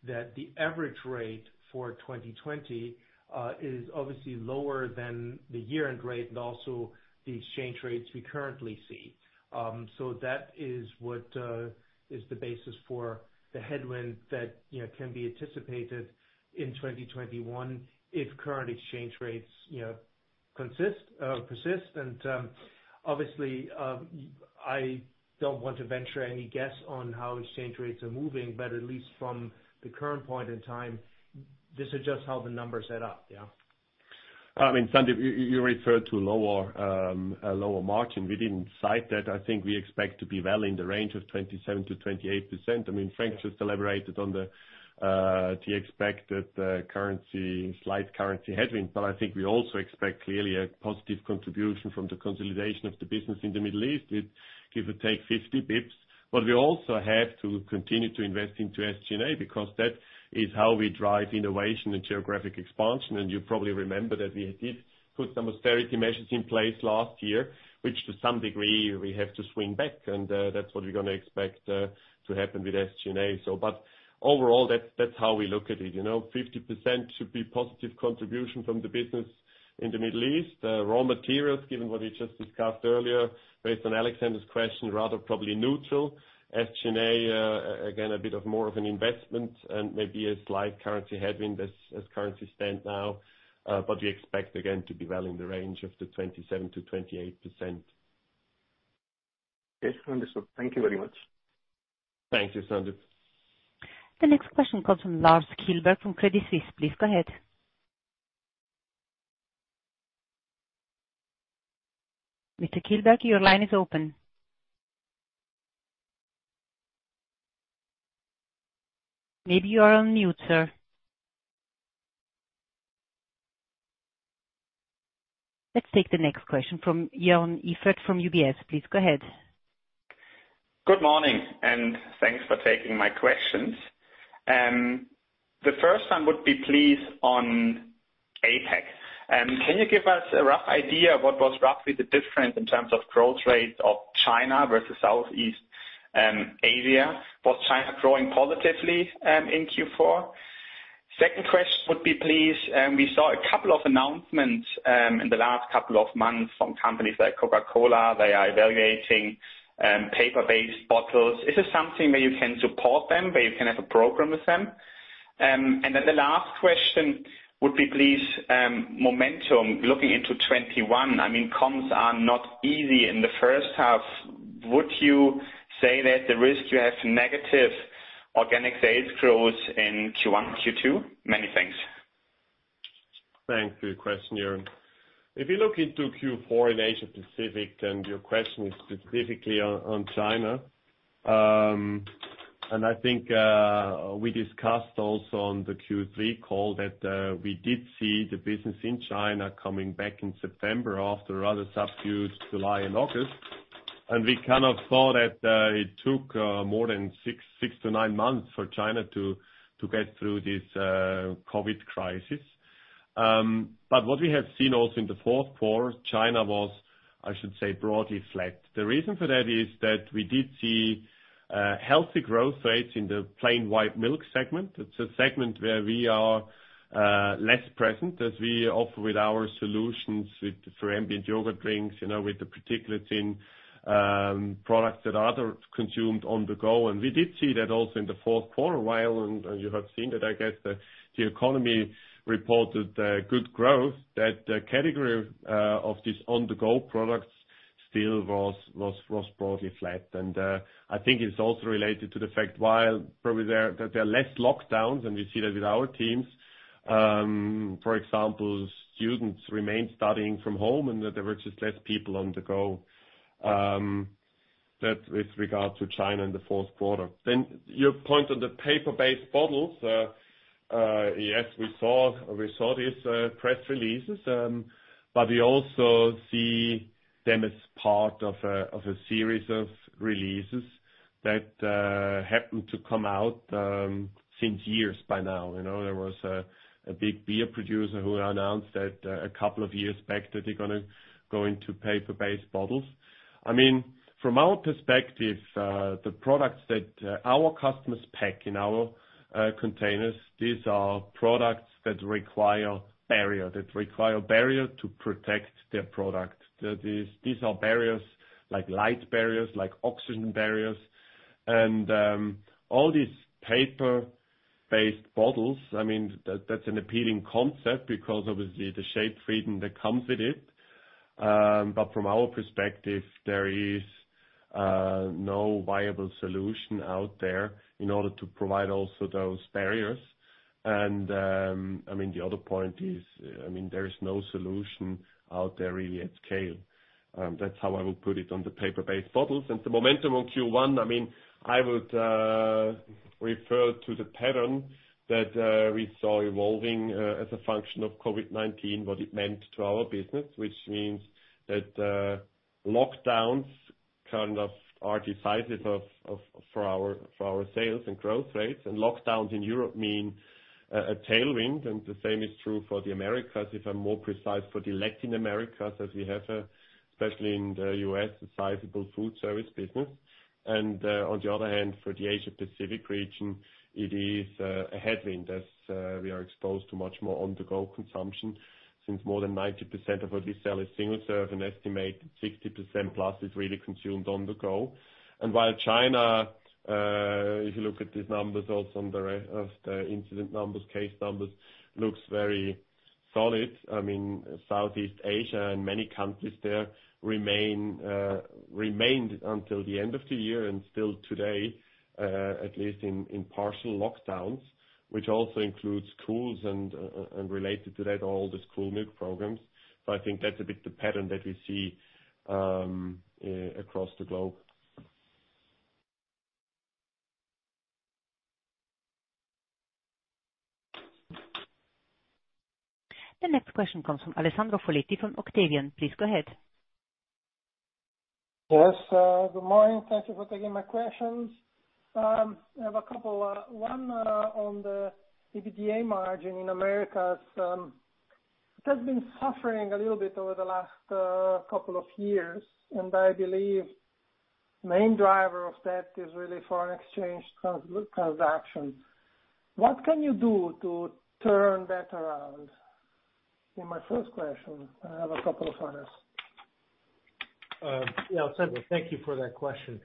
Speaker 3: that the average rate for 2020 is obviously lower than the year-end rate and also the exchange rates we currently see. That is what is the basis for the headwind that can be anticipated in 2021 if current exchange rates persist. Obviously, I don't want to venture any guess on how exchange rates are moving, but at least from the current point in time, this is just how the numbers add up. Yeah.
Speaker 2: Sandeep, you referred to a lower margin. We didn't cite that. I think we expect to be well in the range of 27%-28%. Frank just elaborated on the expected slight currency headwind, but I think we also expect clearly a positive contribution from the consolidation of the business in the Middle East with give or take 50 basis points. We also have to continue to invest into SG&A because that is how we drive innovation and geographic expansion. You probably remember that we did put some austerity measures in place last year, which to some degree, we have to swing back. That's what we're going to expect to happen with SG&A. Overall, that's how we look at it. 50% should be positive contribution from the business in the Middle East. Raw materials, given what we just discussed earlier, based on Alexander's question, rather probably neutral. SG&A, again, a bit of more of an investment and maybe a slight currency headwind as currency stand now, but we expect again to be well in the range of the 27%-28%.
Speaker 6: Yes, understood. Thank you very much.
Speaker 2: Thank you, Sandeep.
Speaker 4: The next question comes from Lars Kjellberg from Credit Suisse. Please go ahead. Mr. Kjellberg, your line is open. Maybe you are on mute, sir. Let's take the next question from Joern Iffert from UBS. Please go ahead.
Speaker 7: Good morning. Thanks for taking my questions. The first one would be please on APAC. Can you give us a rough idea what was roughly the difference in terms of growth rates of China versus Southeast Asia? Was China growing positively in Q4? Second question would be, please, we saw a couple of announcements in the last couple of months from companies like Coca-Cola. They are evaluating paper-based bottles. Is this something where you can support them, where you can have a program with them? The last question would be, please, momentum looking into 2021. Comms are not easy in the first half. Would you say that the risk you have negative organic sales growth in Q1, Q2? Many thanks.
Speaker 2: Thanks for your question, Joern. If you look into Q4 in Asia Pacific, your question is specifically on China. I think we discussed also on the Q3 call that we did see the business in China coming back in September after a rather subdued July and August. We kind of thought that it took more than six to nine months for China to get through this COVID crisis. What we have seen also in the fourth quarter, China was, I should say, broadly flat. The reason for that is that we did see healthy growth rates in the plain white milk segment. It's a segment where we are less present, as we offer with our solutions with for ambient yogurt drinks, with the particulates in products that others consumed on the go. We did see that also in the fourth quarter, while, and you have seen that, I guess, the economy reported good growth, that the category of these on-the-go products still was broadly flat. I think it's also related to the fact while probably there are less lockdowns, and we see that with our teams. For example, students remain studying from home and that there were just less people on the go. That with regard to China in the fourth quarter. Your point on the paper-based bottles. Yes, we saw these press releases, but we also see them as part of a series of releases that happened to come out since years by now. There was a big beer producer who announced that a couple of years back that they're going to go into paper-based bottles. From our perspective, the products that our customers pack in our containers, these are products that require barrier to protect their product. These are barriers like light barriers, like oxygen barriers, all these paper-based bottles, that's an appealing concept because obviously the shape freedom that comes with it. From our perspective, there is no viable solution out there in order to provide also those barriers. The other point is, there is no solution out there really at scale. That's how I would put it on the paper-based bottles. The momentum on Q1, I would refer to the pattern that we saw evolving as a function of COVID-19, what it meant to our business, which means that lockdowns kind of are decisive for our sales and growth rates. Lockdowns in Europe mean a tailwind, and the same is true for the Americas, if I'm more precise, for Latin America, as we have, especially in the U.S., a sizable food service business. On the other hand, for the APAC region, it is a headwind as we are exposed to much more on-the-go consumption since more than 90% of what we sell is single-serve and estimate 60%+ is really consumed on the go. While China, if you look at these numbers also of the incident numbers, case numbers, looks very solid. Southeast Asia and many countries there remained until the end of the year and still today, at least in partial lockdowns, which also includes schools and related to that, all the school milk programs. I think that's a bit the pattern that we see across the globe.
Speaker 4: The next question comes from Alessandro Foletti from Octavian. Please go ahead.
Speaker 8: Yes, good morning. Thank you for taking my questions. I have a couple. One on the EBITDA margin in Americas. It has been suffering a little bit over the last couple of years, and I believe main driver of that is really foreign exchange transactions. What can you do to turn that around? My first question. I have a couple of others.
Speaker 3: Yeah, Alessandro, thank you for that question.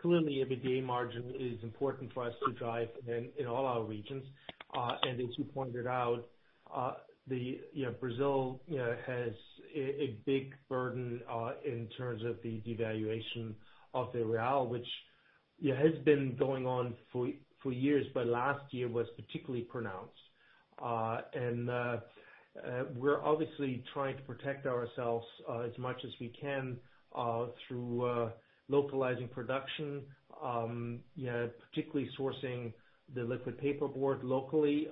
Speaker 3: Clearly, EBITDA margin is important for us to drive in all our regions. As you pointed out, Brazil has a big burden in terms of the devaluation of the Real, which has been going on for years, but last year was particularly pronounced. We're obviously trying to protect ourselves as much as we can through localizing production, particularly sourcing the liquid packaging board locally,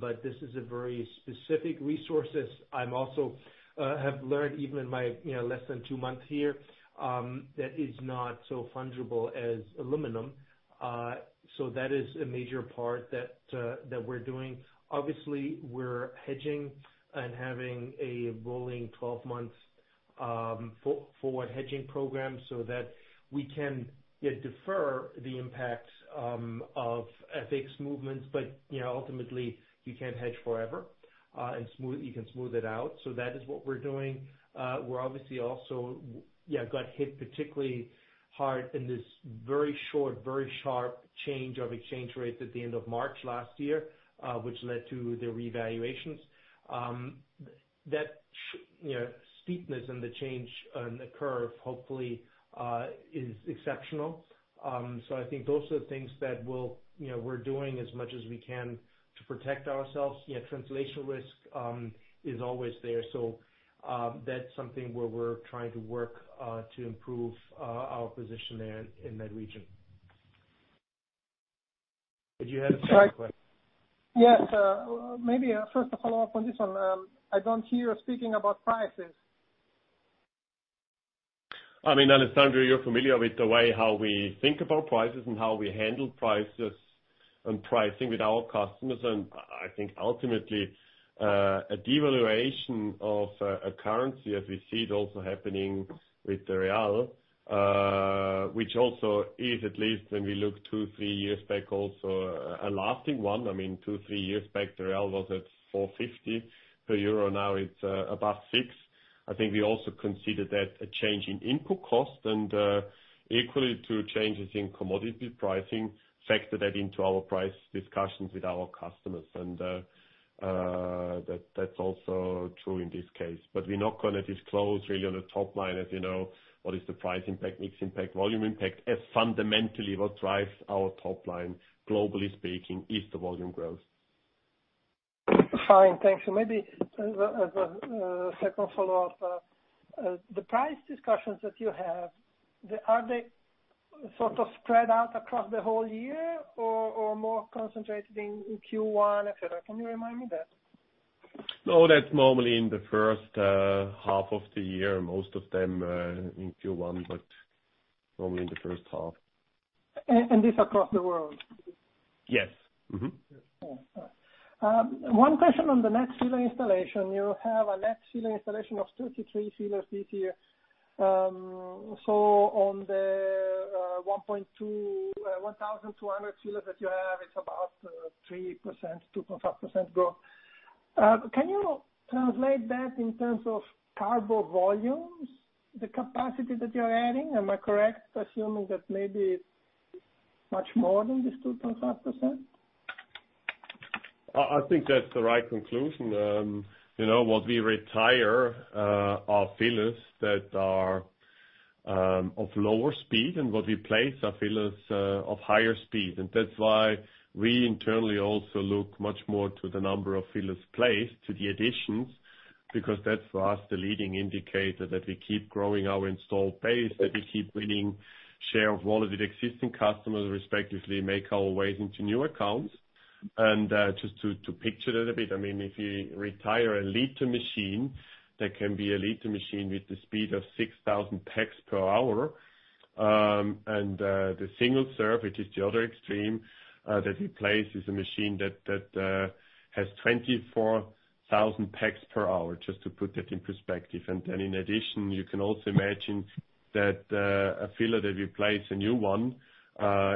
Speaker 3: but this is a very specific resource as I also have learned even in my less than two months here, that is not so fungible as aluminum. That is a major part that we're doing. Obviously, we're hedging and having a rolling 12 months forward hedging program so that we can defer the impacts of FX movements. Ultimately, you can't hedge forever. You can smooth it out. That is what we're doing. We obviously also got hit particularly hard in this very short, very sharp change of exchange rates at the end of March last year, which led to the revaluations. That steepness in the change in the curve, hopefully, is exceptional. I think those are the things that we're doing as much as we can to protect ourselves. Yet translational risk is always there. That's something where we're trying to work to improve our position there in that region. Did you have a second question?
Speaker 8: Yes. Maybe first a follow-up on this one. I don't hear you speaking about prices.
Speaker 2: Alessandro, you are familiar with the way how we think about prices and how we handle prices and pricing with our customers. I think ultimately, a devaluation of a currency as we see it also happening with the real, which also is, at least when we look two, three years back, also a lasting one. Two, three years back, the real was at 4.50 per euro, now it is above 6 per euro. I think we also consider that a change in input cost and equally to changes in commodity pricing, factor that into our price discussions with our customers. We are not going to disclose really on a top line, as you know, what is the price impact, mix impact, volume impact, as fundamentally what drives our top line, globally speaking, is the volume growth.
Speaker 8: Fine. Thank you. Maybe as a second follow-up. The price discussions that you have, are they sort of spread out across the whole year or more concentrated in Q1, et cetera? Can you remind me that?
Speaker 2: No, that is normally in the first half of the year. Most of them in Q1, but normally in the first half.
Speaker 8: This across the world?
Speaker 2: Yes.
Speaker 8: One question on the net filler installation. You have a net filler installation of 33 fillers this year. On the 1,200 fillers that you have, it's about 3%, 2.5% growth. Can you translate that in terms of cargo volumes, the capacity that you're adding? Am I correct assuming that maybe it's much more than this 2.5%?
Speaker 2: I think that is the right conclusion. What we retire are fillers that are of lower speed, and what we place are fillers of higher speed. That is why we internally also look much more to the number of fillers placed to the additions, because that is, for us, the leading indicator that we keep growing our installed base, that we keep winning share of wallet with existing customers, respectively, make our ways into new accounts. Just to picture it a bit, if you retire a liter machine, that can be a liter machine with the speed of 6,000 packs per hour. The single serve, which is the other extreme, that we place, is a machine that has 24,000 packs per hour, just to put that in perspective. In addition, you can also imagine that a filler that replaced a new one,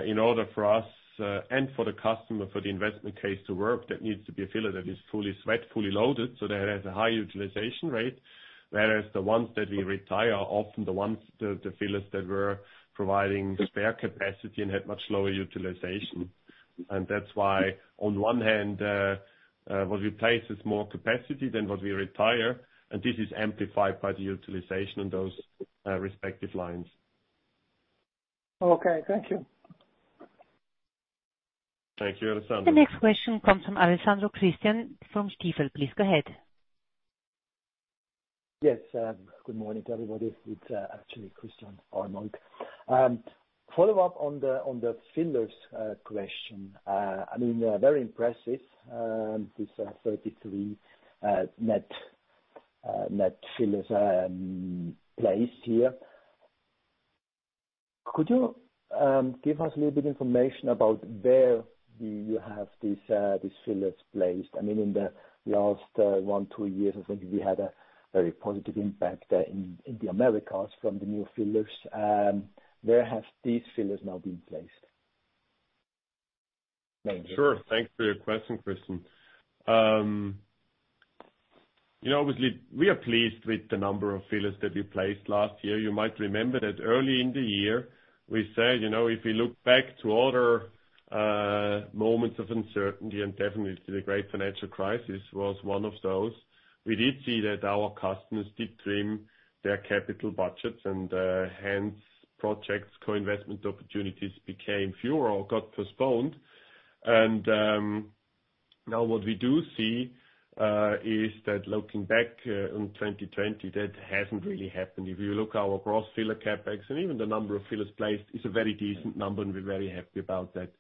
Speaker 2: in order for us and for the customer, for the investment case to work, that needs to be a filler that is fully spread, fully loaded, so that it has a high utilization rate. Whereas the ones that we retire are often the fillers that were providing spare capacity and had much lower utilization. That's why, on one hand, what we place is more capacity than what we retire, and this is amplified by the utilization of those respective lines.
Speaker 8: Okay. Thank you.
Speaker 2: Thank you, Alessandro.
Speaker 4: The next question comes from Alexandra Christian from Stifel. Please go ahead.
Speaker 9: Yes. Good morning to everybody. It's actually Christian Arnold. Follow-up on the fillers question. Very impressive, this 33 net fillers placed here. Could you give us a little bit information about where do you have these fillers placed? In the last one, two years, I think we had a very positive impact in the Americas from the new fillers. Where have these fillers now been placed?
Speaker 2: Sure. Thanks for your question, Christian. Obviously, we are pleased with the number of fillers that we placed last year. You might remember that early in the year, we said, if we look back to other moments of uncertainty, and definitely the great financial crisis was one of those. We did see that our customers did trim their capital budgets, and hence projects, co-investment opportunities became fewer or got postponed. Now what we do see is that looking back on 2020, that hasn't really happened. If you look our gross filler CapEx, and even the number of fillers placed, is a very decent number, and we're very happy about that.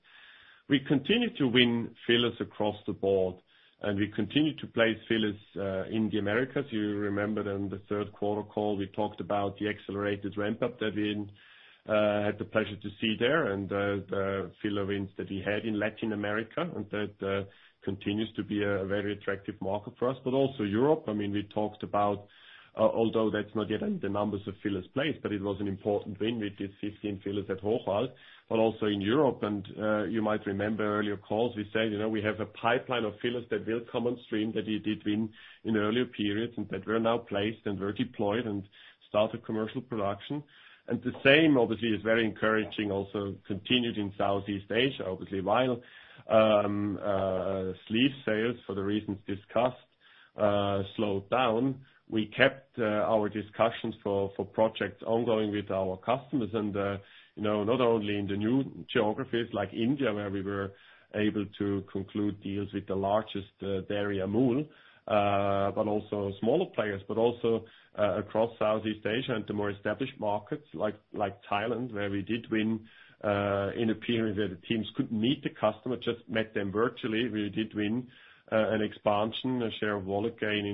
Speaker 2: We continue to win fillers across the board, and we continue to place fillers in the Americas. You remember in the third quarter call, we talked about the accelerated ramp-up that we had the pleasure to see there, and the filler wins that we had in Latin America, and that continues to be a very attractive market for us. Also Europe. We talked about, although that's not yet in the numbers of fillers placed, but it was an important win. We did 15 fillers at Hochwald, but also in Europe. You might remember earlier calls, we said, we have a pipeline of fillers that will come on stream, that we did win in earlier periods, and that were now placed and were deployed and started commercial production. The same, obviously, is very encouraging, also continued in Southeast Asia. While sleeve sales, for the reasons discussed, slowed down, we kept our discussions for projects ongoing with our customers, not only in the new geographies like India, where we were able to conclude deals with the largest dairy, Amul, but also smaller players. Also across Southeast Asia into more established markets like Thailand, where we did win in a period where the teams couldn't meet the customer, just met them virtually. We did win an expansion, a share of wallet gain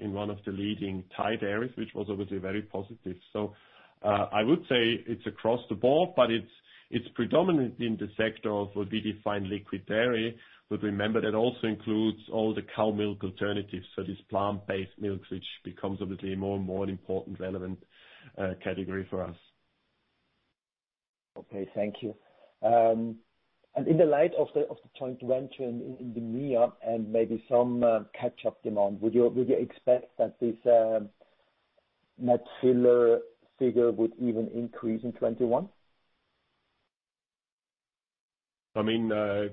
Speaker 2: in one of the leading Thai dairies, which was obviously very positive. I would say it's across the board, but it's predominant in the sector of what we define liquid dairy. Remember, that also includes all the cow milk alternatives, so these plant-based milks, which becomes obviously a more and more important relevant category for us.
Speaker 9: Okay, thank you. In the light of the joint venture in the MEA and maybe some catch-up demand, would you expect that this net filler figure would even increase in 2021?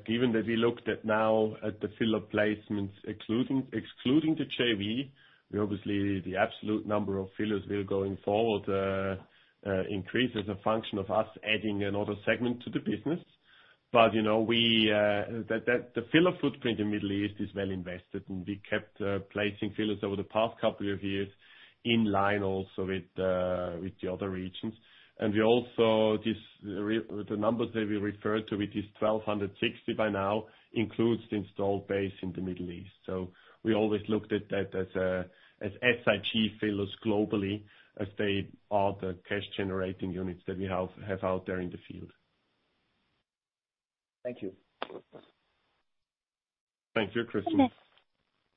Speaker 2: Given that we looked at now at the filler placements, excluding the JV, obviously the absolute number of fillers will, going forward, increase as a function of us adding another segment to the business. The filler footprint in Middle East is well invested, and we kept placing fillers over the past couple of years in line also with the other regions. The numbers that we referred to, which is 1,260 by now, includes the installed base in the Middle East. We always looked at that as SIG fillers globally, as they are the cash generating units that we have out there in the field.
Speaker 9: Thank you.
Speaker 2: Thank you, Christian.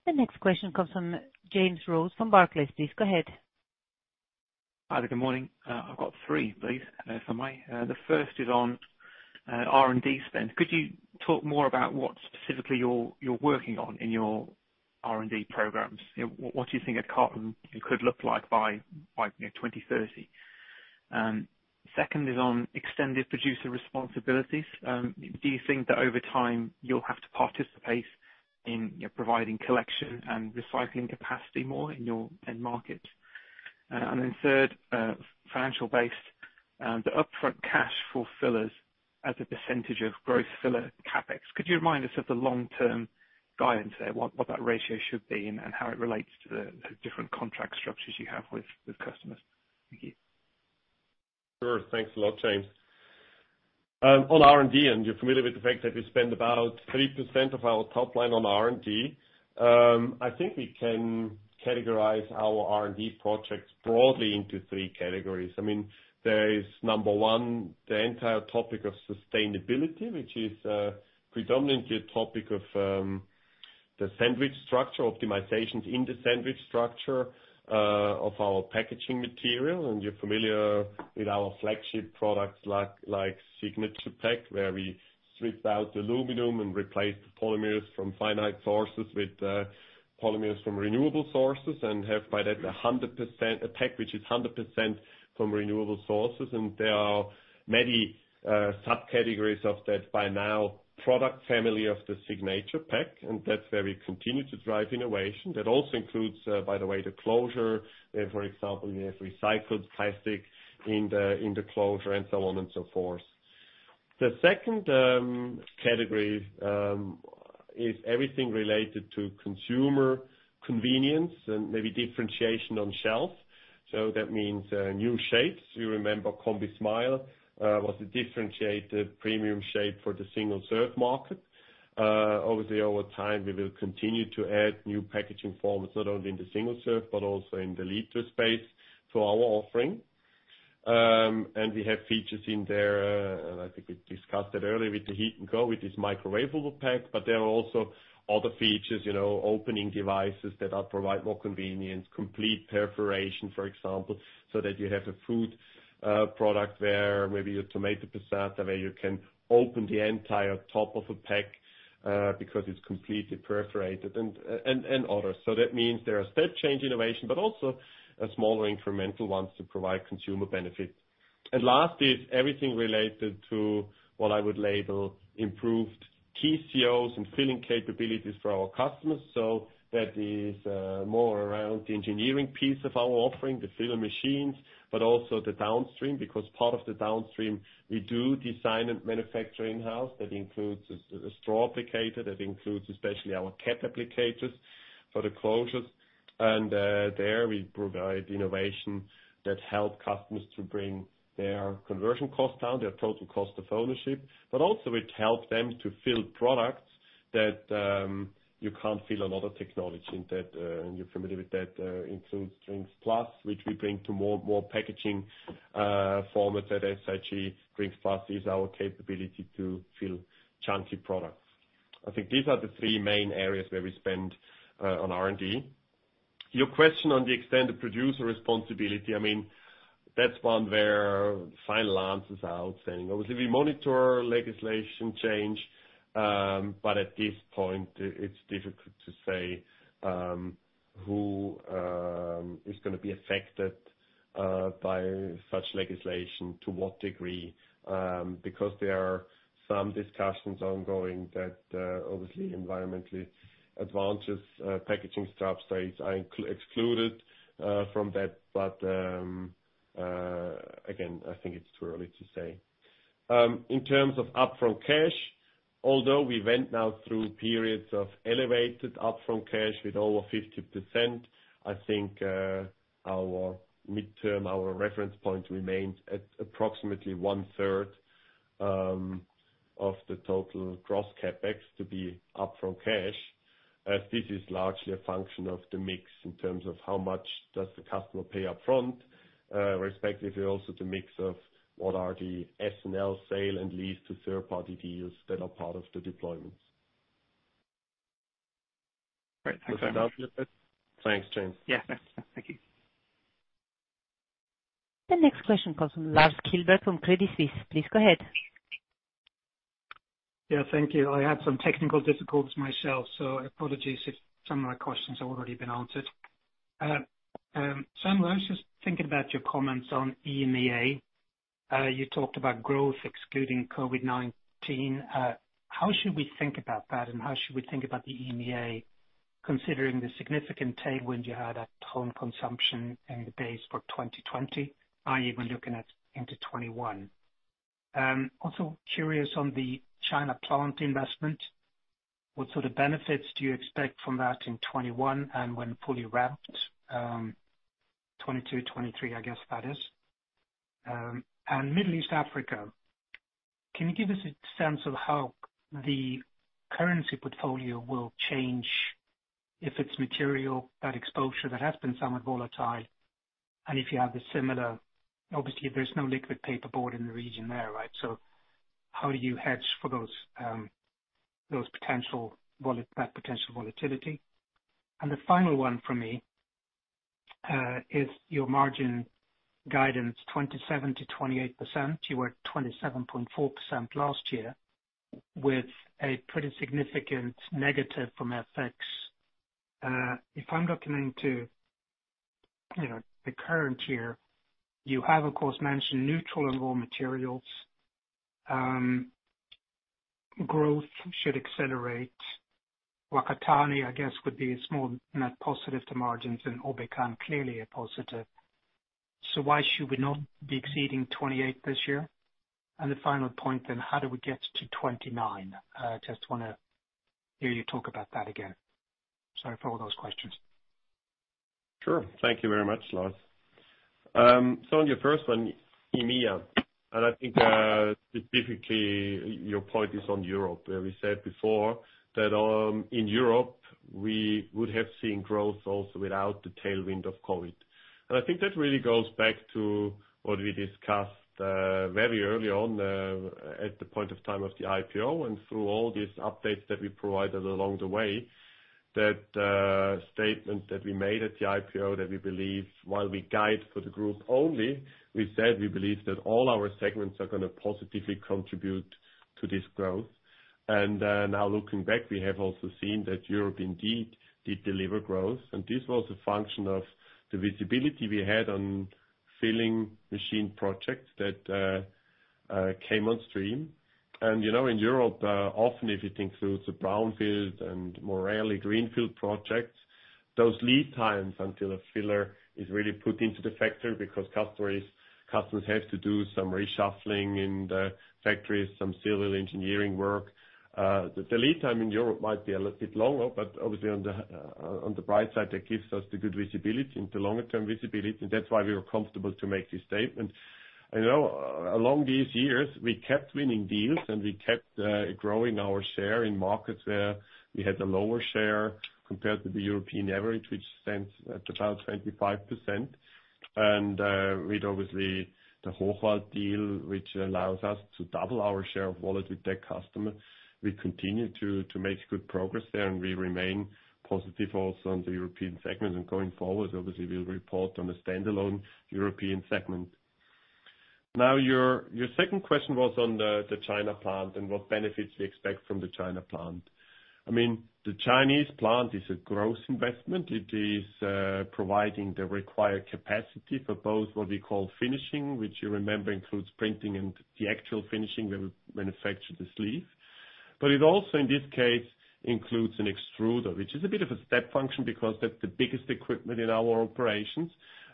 Speaker 4: The next question comes from James Rhodes from Barclays. Please go ahead.
Speaker 10: Hi there. Good morning. I've got three, please. The first is on R&D spend. Could you talk more about what specifically you're working on in your R&D programs? What do you think a carton could look like by 2030? Second is on extended producer responsibilities. Do you think that over time you'll have to participate in providing collection and recycling capacity more in your end market? Third, financial based, the upfront cash for fillers as a percentage of gross filler CapEx. Could you remind us of the long-term guidance there, what that ratio should be and how it relates to the different contract structures you have with customers? Thank you.
Speaker 2: Sure. Thanks a lot, James. On R&D, you're familiar with the fact that we spend about 3% of our top line on R&D. I think we can categorize our R&D projects broadly into three categories. There is, number one, the entire topic of sustainability, which is predominantly a topic of the sandwich structure, optimizations in the sandwich structure of our packaging material. You're familiar with our flagship products like Signature Pack, where we stripped out the aluminum and replaced the polymers from finite sources with polymers from renewable sources, and have by that a pack which is 100% from renewable sources. There are many subcategories of that by now, product family of the Signature Pack, and that's where we continue to drive innovation. That also includes, by the way, the closure. For example, we have recycled plastic in the closure and so on and so forth. The second category is everything related to consumer convenience and maybe differentiation on shelf. That means new shapes. You remember combiSmile, was a differentiated premium shape for the single-serve market. Obviously, over time, we will continue to add new packaging formats, not only in the single serve but also in the liter space for our offering. We have features in there, and I think we discussed it earlier with the Heat&Go, with this microwavable pack. There are also other features, opening devices that provide more convenience, complete perforation, for example, so that you have a food product where maybe your tomato passata, where you can open the entire top of a pack, because it's completely perforated and others. That means there are step-change innovation, but also smaller incremental ones to provide consumer benefit. Last is everything related to what I would label improved TCOs and filling capabilities for our customers. That is more around the engineering piece of our offering, the filler machines, but also the downstream, because part of the downstream, we do design and manufacture in-house. That includes a straw applicator, that includes especially our cap applicators for the closures. There we provide innovation that help customers to bring their conversion cost down, their total cost of ownership, but also it helps them to fill products that you can't fill a lot of technology into, and you're familiar with that, includes drinksplus, which we bring to more packaging formats at SIG. drinksplus is our capability to fill chunky products. I think these are the three main areas where we spend on R&D. Your question on the Extended Producer Responsibility, that is one where final answer is out saying, obviously, we monitor legislation change, but at this point, it is difficult to say who is going to be affected by such legislation, to what degree, because there are some discussions ongoing that obviously environmentally advantages packaging substrates are excluded from that. But, again, I think it is too early to say. In terms of upfront cash, although we went now through periods of elevated upfront cash with over 50%, I think our midterm, our reference point remains at approximately one-third of the total gross CapEx to be upfront cash. This is largely a function of the mix in terms of how much does the customer pay upfront. Respectively also the mix of what are the S&L Sale and Lease to third-party deals that are part of the deployments.
Speaker 10: Great. Thanks very much.
Speaker 2: Thanks, James.
Speaker 10: Yeah. Thank you.
Speaker 4: The next question comes from Lars Kjellberg from Credit Suisse. Please go ahead.
Speaker 11: Yeah. Thank you. I had some technical difficulties myself, so apologies if some of my questions have already been answered. Sam, I was just thinking about your comments on EMEA. You talked about growth excluding COVID-19. How should we think about that and how should we think about the EMEA considering the significant tailwind you had at home consumption in the base for 2020, i.e., when looking at into 2021? Also curious on the China plant investment. What sort of benefits do you expect from that in 2021 and when fully ramped, 2022, 2023, I guess that is. Middle East Africa, can you give us a sense of how the currency portfolio will change if it's material, that exposure that has been somewhat volatile, and if you have Obviously, there's no liquid packaging board in the region there, right? How do you hedge for that potential volatility? The final one from me, is your margin guidance 27%-28%. You were at 27.4% last year with a pretty significant negative from FX. If I'm looking into the current year, you have, of course, mentioned neutral and raw materials. Growth should accelerate. Whakatāne, I guess, would be a small net positive to margins and Obeikan clearly a positive. Why should we not be exceeding 28% this year? The final point then, how do we get to 29%? Just want to hear you talk about that again. Sorry for all those questions.
Speaker 2: Sure. Thank you very much, Lars. On your first one, EMEA, and I think, specifically, your point is on Europe, where we said before that in Europe, we would have seen growth also without the tailwind of COVID. I think that really goes back to what we discussed, very early on, at the point of time of the IPO and through all these updates that we provided along the way, that statement that we made at the IPO, that we believe while we guide for the group, only we said we believe that all our segments are going to positively contribute to this growth. Now looking back, we have also seen that Europe indeed did deliver growth and this was a function of the visibility we had on filling machine projects that came on stream. In Europe, often if you think through the brownfield and more rarely greenfield projects, those lead times until a filler is really put into the factory because customers have to do some reshuffling in the factories, some civil engineering work. The lead time in Europe might be a little bit longer, but obviously on the bright side, that gives us the good visibility into longer term visibility. That's why we were comfortable to make this statement. Along these years, we kept winning deals and we kept growing our share in markets where we had a lower share compared to the European average, which stands at about 25%. With obviously the Hochwald deal, which allows us to double our share of wallet with that customer. We continue to make good progress there and we remain positive also on the European segment. Going forward, obviously we'll report on a standalone European segment. Now, your second question was on the China plant and what benefits we expect from the China plant. The Chinese plant is a growth investment. It is providing the required capacity for both what we call finishing, which you remember includes printing and the actual finishing where we manufacture the sleeve. It also, in this case, includes an extruder, which is a bit of a step function because that's the biggest equipment in our operations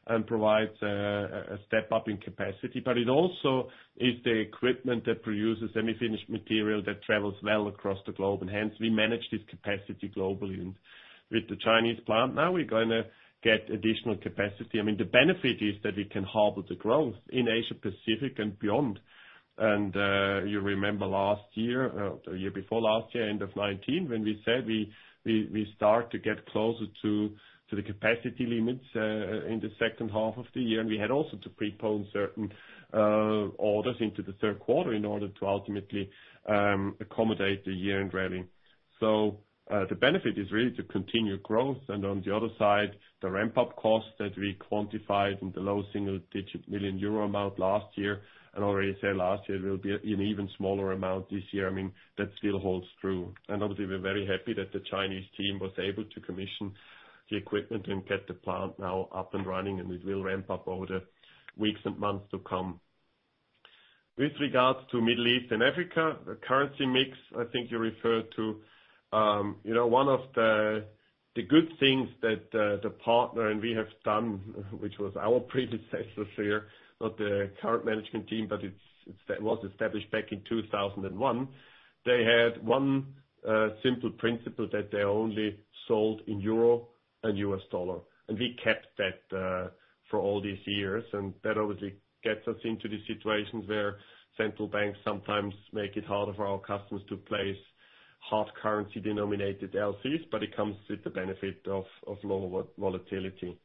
Speaker 2: and provides a step up in capacity. It also is the equipment that produces semi-finished material that travels well across the globe. Hence we manage this capacity globally. With the Chinese plant now we're going to get additional capacity. The benefit is that we can harbor the growth in Asia-Pacific and beyond. You remember last year, or the year before last year, end of 2019, when we said we start to get closer to the capacity limits in the second half of the year. We had also to prepone certain orders into the third quarter in order to ultimately accommodate the year-end rally. The benefit is really to continue growth, and on the other side, the ramp-up cost that we quantified in the low single-digit million euro amount last year, and already said last year will be an even smaller amount this year. That still holds true. Obviously, we're very happy that the Chinese team was able to commission the equipment and get the plant now up and running, and it will ramp up over weeks and months to come. With regards to Middle East and Africa, the currency mix, I think you referred to. One of the good things that the partner and we have done, which was our predecessor here, not the current management team, but it was established back in 2001. They had one simple principle that they only sold in euro and US dollar. We kept that for all these years, and that obviously gets us into the situations where central banks sometimes make it harder for our customers to place hard currency denominated LCs, but it comes with the benefit of lower volatility.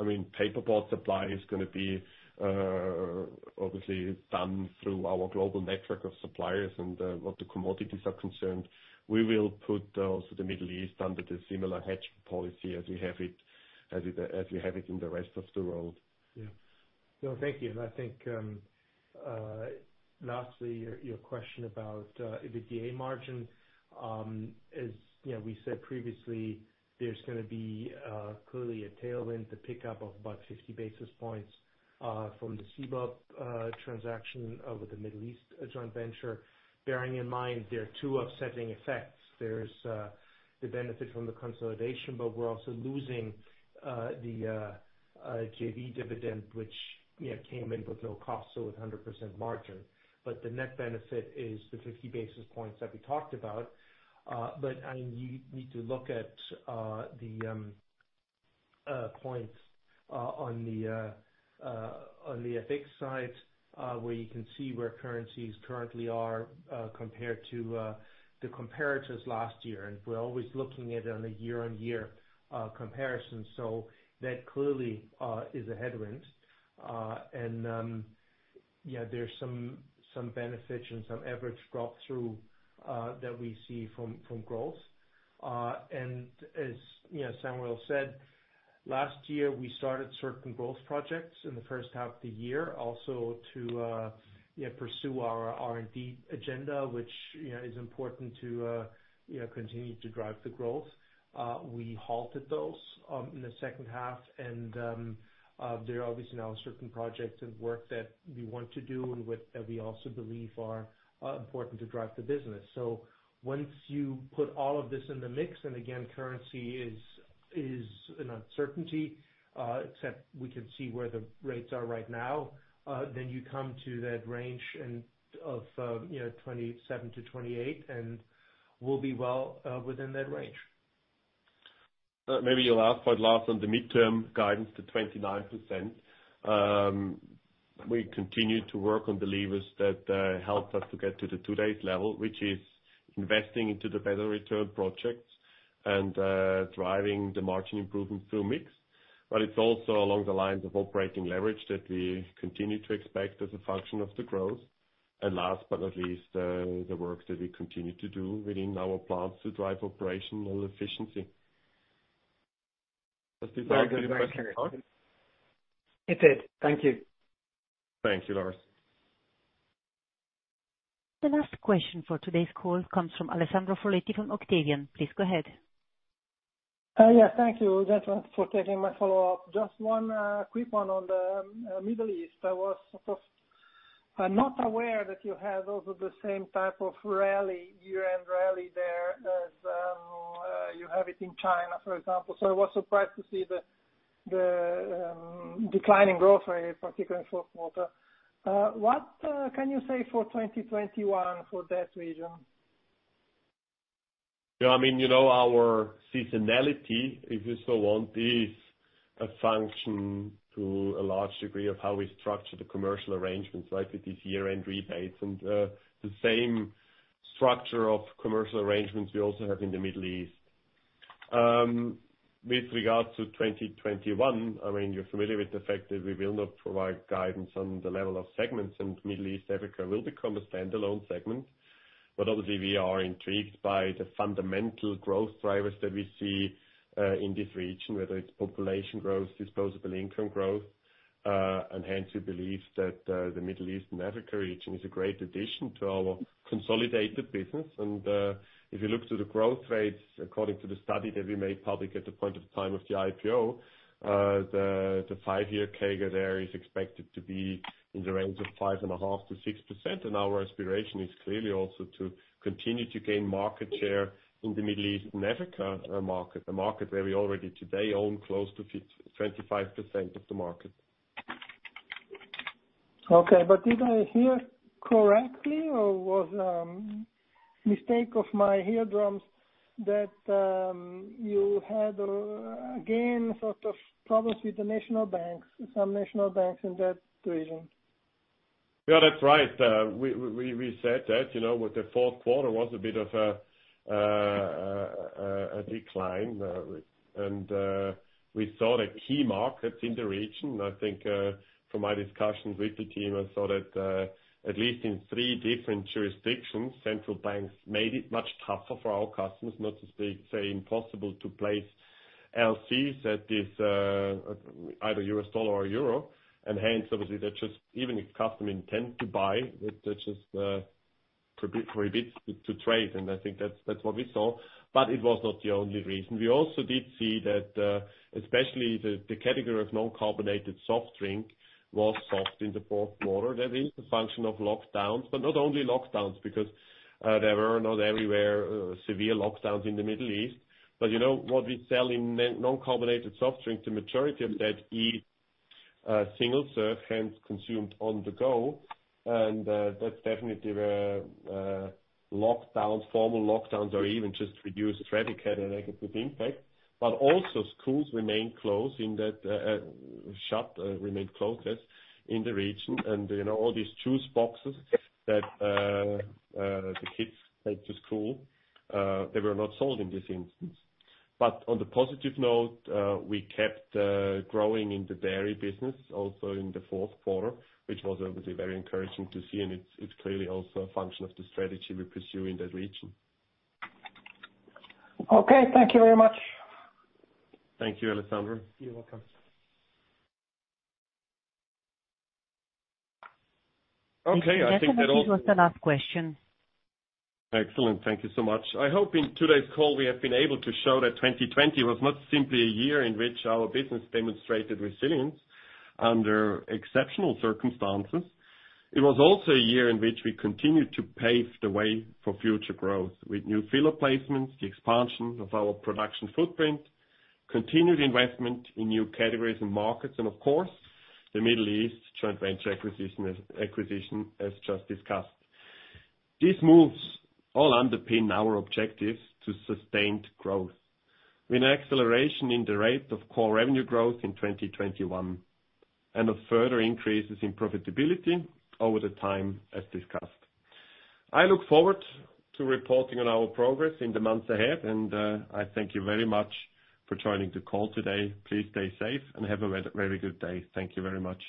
Speaker 2: Paperboard supply is going to be obviously done through our global network of suppliers and what the commodities are concerned. We will put also the Middle East under the similar hedge policy as we have it in the rest of the world.
Speaker 3: No, thank you. I think, lastly, your question about the EBITDA margin. As we said previously, there's going to be clearly a tailwind, a pickup of about 50 basis points from the CBOB transaction with the Middle East joint venture. Bearing in mind, there are two offsetting effects. There's the benefit from the consolidation, we're also losing the JV dividend, which came in with no cost, so with 100% margin. The net benefit is the 50 basis points that we talked about. You need to look at the points on the FX side, where you can see where currencies currently are compared to the comparators last year. We're always looking at it on a year-on-year comparison. That clearly is a headwind. There's some benefit and some average drop-through that we see from growth. As Samuel said, last year, we started certain growth projects in the first half of the year also to pursue our R&D agenda, which is important to continue to drive the growth. We halted those in the second half and there are obviously now certain projects and work that we want to do and that we also believe are important to drive the business. Once you put all of this in the mix, and again, currency is an uncertainty, except we can see where the rates are right now, then you come to that range of 27%-28%, and we'll be well within that range.
Speaker 2: Maybe you'll ask for it last on the midterm guidance to 29%. We continue to work on the levers that helped us to get to today's level, which is investing into the better return projects and driving the margin improvement through mix. It's also along the lines of operating leverage that we continue to expect as a function of the growth. Last but not least, the work that we continue to do within our plants to drive operational efficiency. Does that answer your question, Lars?
Speaker 11: It did. Thank you.
Speaker 2: Thank you, Lars.
Speaker 4: The last question for today's call comes from Alessandro Foletti from Octavian. Please go ahead.
Speaker 8: Yeah. Thank you, gentlemen, for taking my follow-up. Just one quick one on the Middle East. I was not aware that you have also the same type of rally, year-end rally there as you have it in China, for example. I was surprised to see the declining growth rate, particularly in fourth quarter. What can you say for 2021 for that region?
Speaker 2: Our seasonality, if you so want, is a function to a large degree of how we structure the commercial arrangements, like with these year-end rebates. The same structure of commercial arrangements we also have in the Middle East. With regards to 2021, you're familiar with the fact that we will not provide guidance on the level of segments, and Middle East/Africa will become a standalone segment. Obviously, we are intrigued by the fundamental growth drivers that we see in this region, whether it's population growth, disposable income growth, and hence we believe that the Middle East and Africa region is a great addition to our consolidated business. If you look to the growth rates according to the study that we made public at the point of time of the IPO, the five-year CAGR there is expected to be in the range of 5.5%-6%. Our aspiration is clearly also to continue to gain market share in the Middle East and Africa market, a market where we already today own close to 25% of the market.
Speaker 8: Okay. Did I hear correct? Was it a mistake of my eardrums that you had, again, sort of problems with the national banks, some national banks in that region?
Speaker 2: Yeah, that's right. We said that with the fourth quarter was a bit of a decline, and we saw the key markets in the region. I think from my discussions with the team, I saw that at least in three different jurisdictions, central banks made it much tougher for our customers, not to say impossible, to place LCs at this either US dollar or euro. Hence, obviously, even if customer intend to buy, that just forbids to trade. I think that's what we saw. It was not the only reason. We also did see that especially the category of non-carbonated soft drink was soft in the fourth quarter. That is a function of lockdowns, but not only lockdowns, because there were not everywhere severe lockdowns in the Middle East. What we sell in non-carbonated soft drink, the majority of that is single serve, hence consumed on the go. That's definitely where formal lockdowns or even just reduced traffic had a negative impact. Also schools remained closed in the region. All these juice boxes that the kids take to school, they were not sold in this instance. On the positive note, we kept growing in the dairy business also in the fourth quarter, which was obviously very encouraging to see, and it's clearly also a function of the strategy we pursue in that region.
Speaker 8: Okay, thank you very much.
Speaker 2: Thank you, Alessandro.
Speaker 3: You're welcome.
Speaker 2: Okay, I think that all-
Speaker 4: This was the last question.
Speaker 2: Excellent. Thank you so much. I hope in today's call, we have been able to show that 2020 was not simply a year in which our business demonstrated resilience under exceptional circumstances. It was also a year in which we continued to pave the way for future growth with new filler placements, the expansion of our production footprint, continued investment in new categories and markets, and of course, the Middle East joint venture acquisition as just discussed. These moves all underpin our objectives to sustained growth with an acceleration in the rate of core revenue growth in 2021 and of further increases in profitability over the time as discussed. I look forward to reporting on our progress in the months ahead, and I thank you very much for joining the call today. Please stay safe and have a very good day. Thank you very much.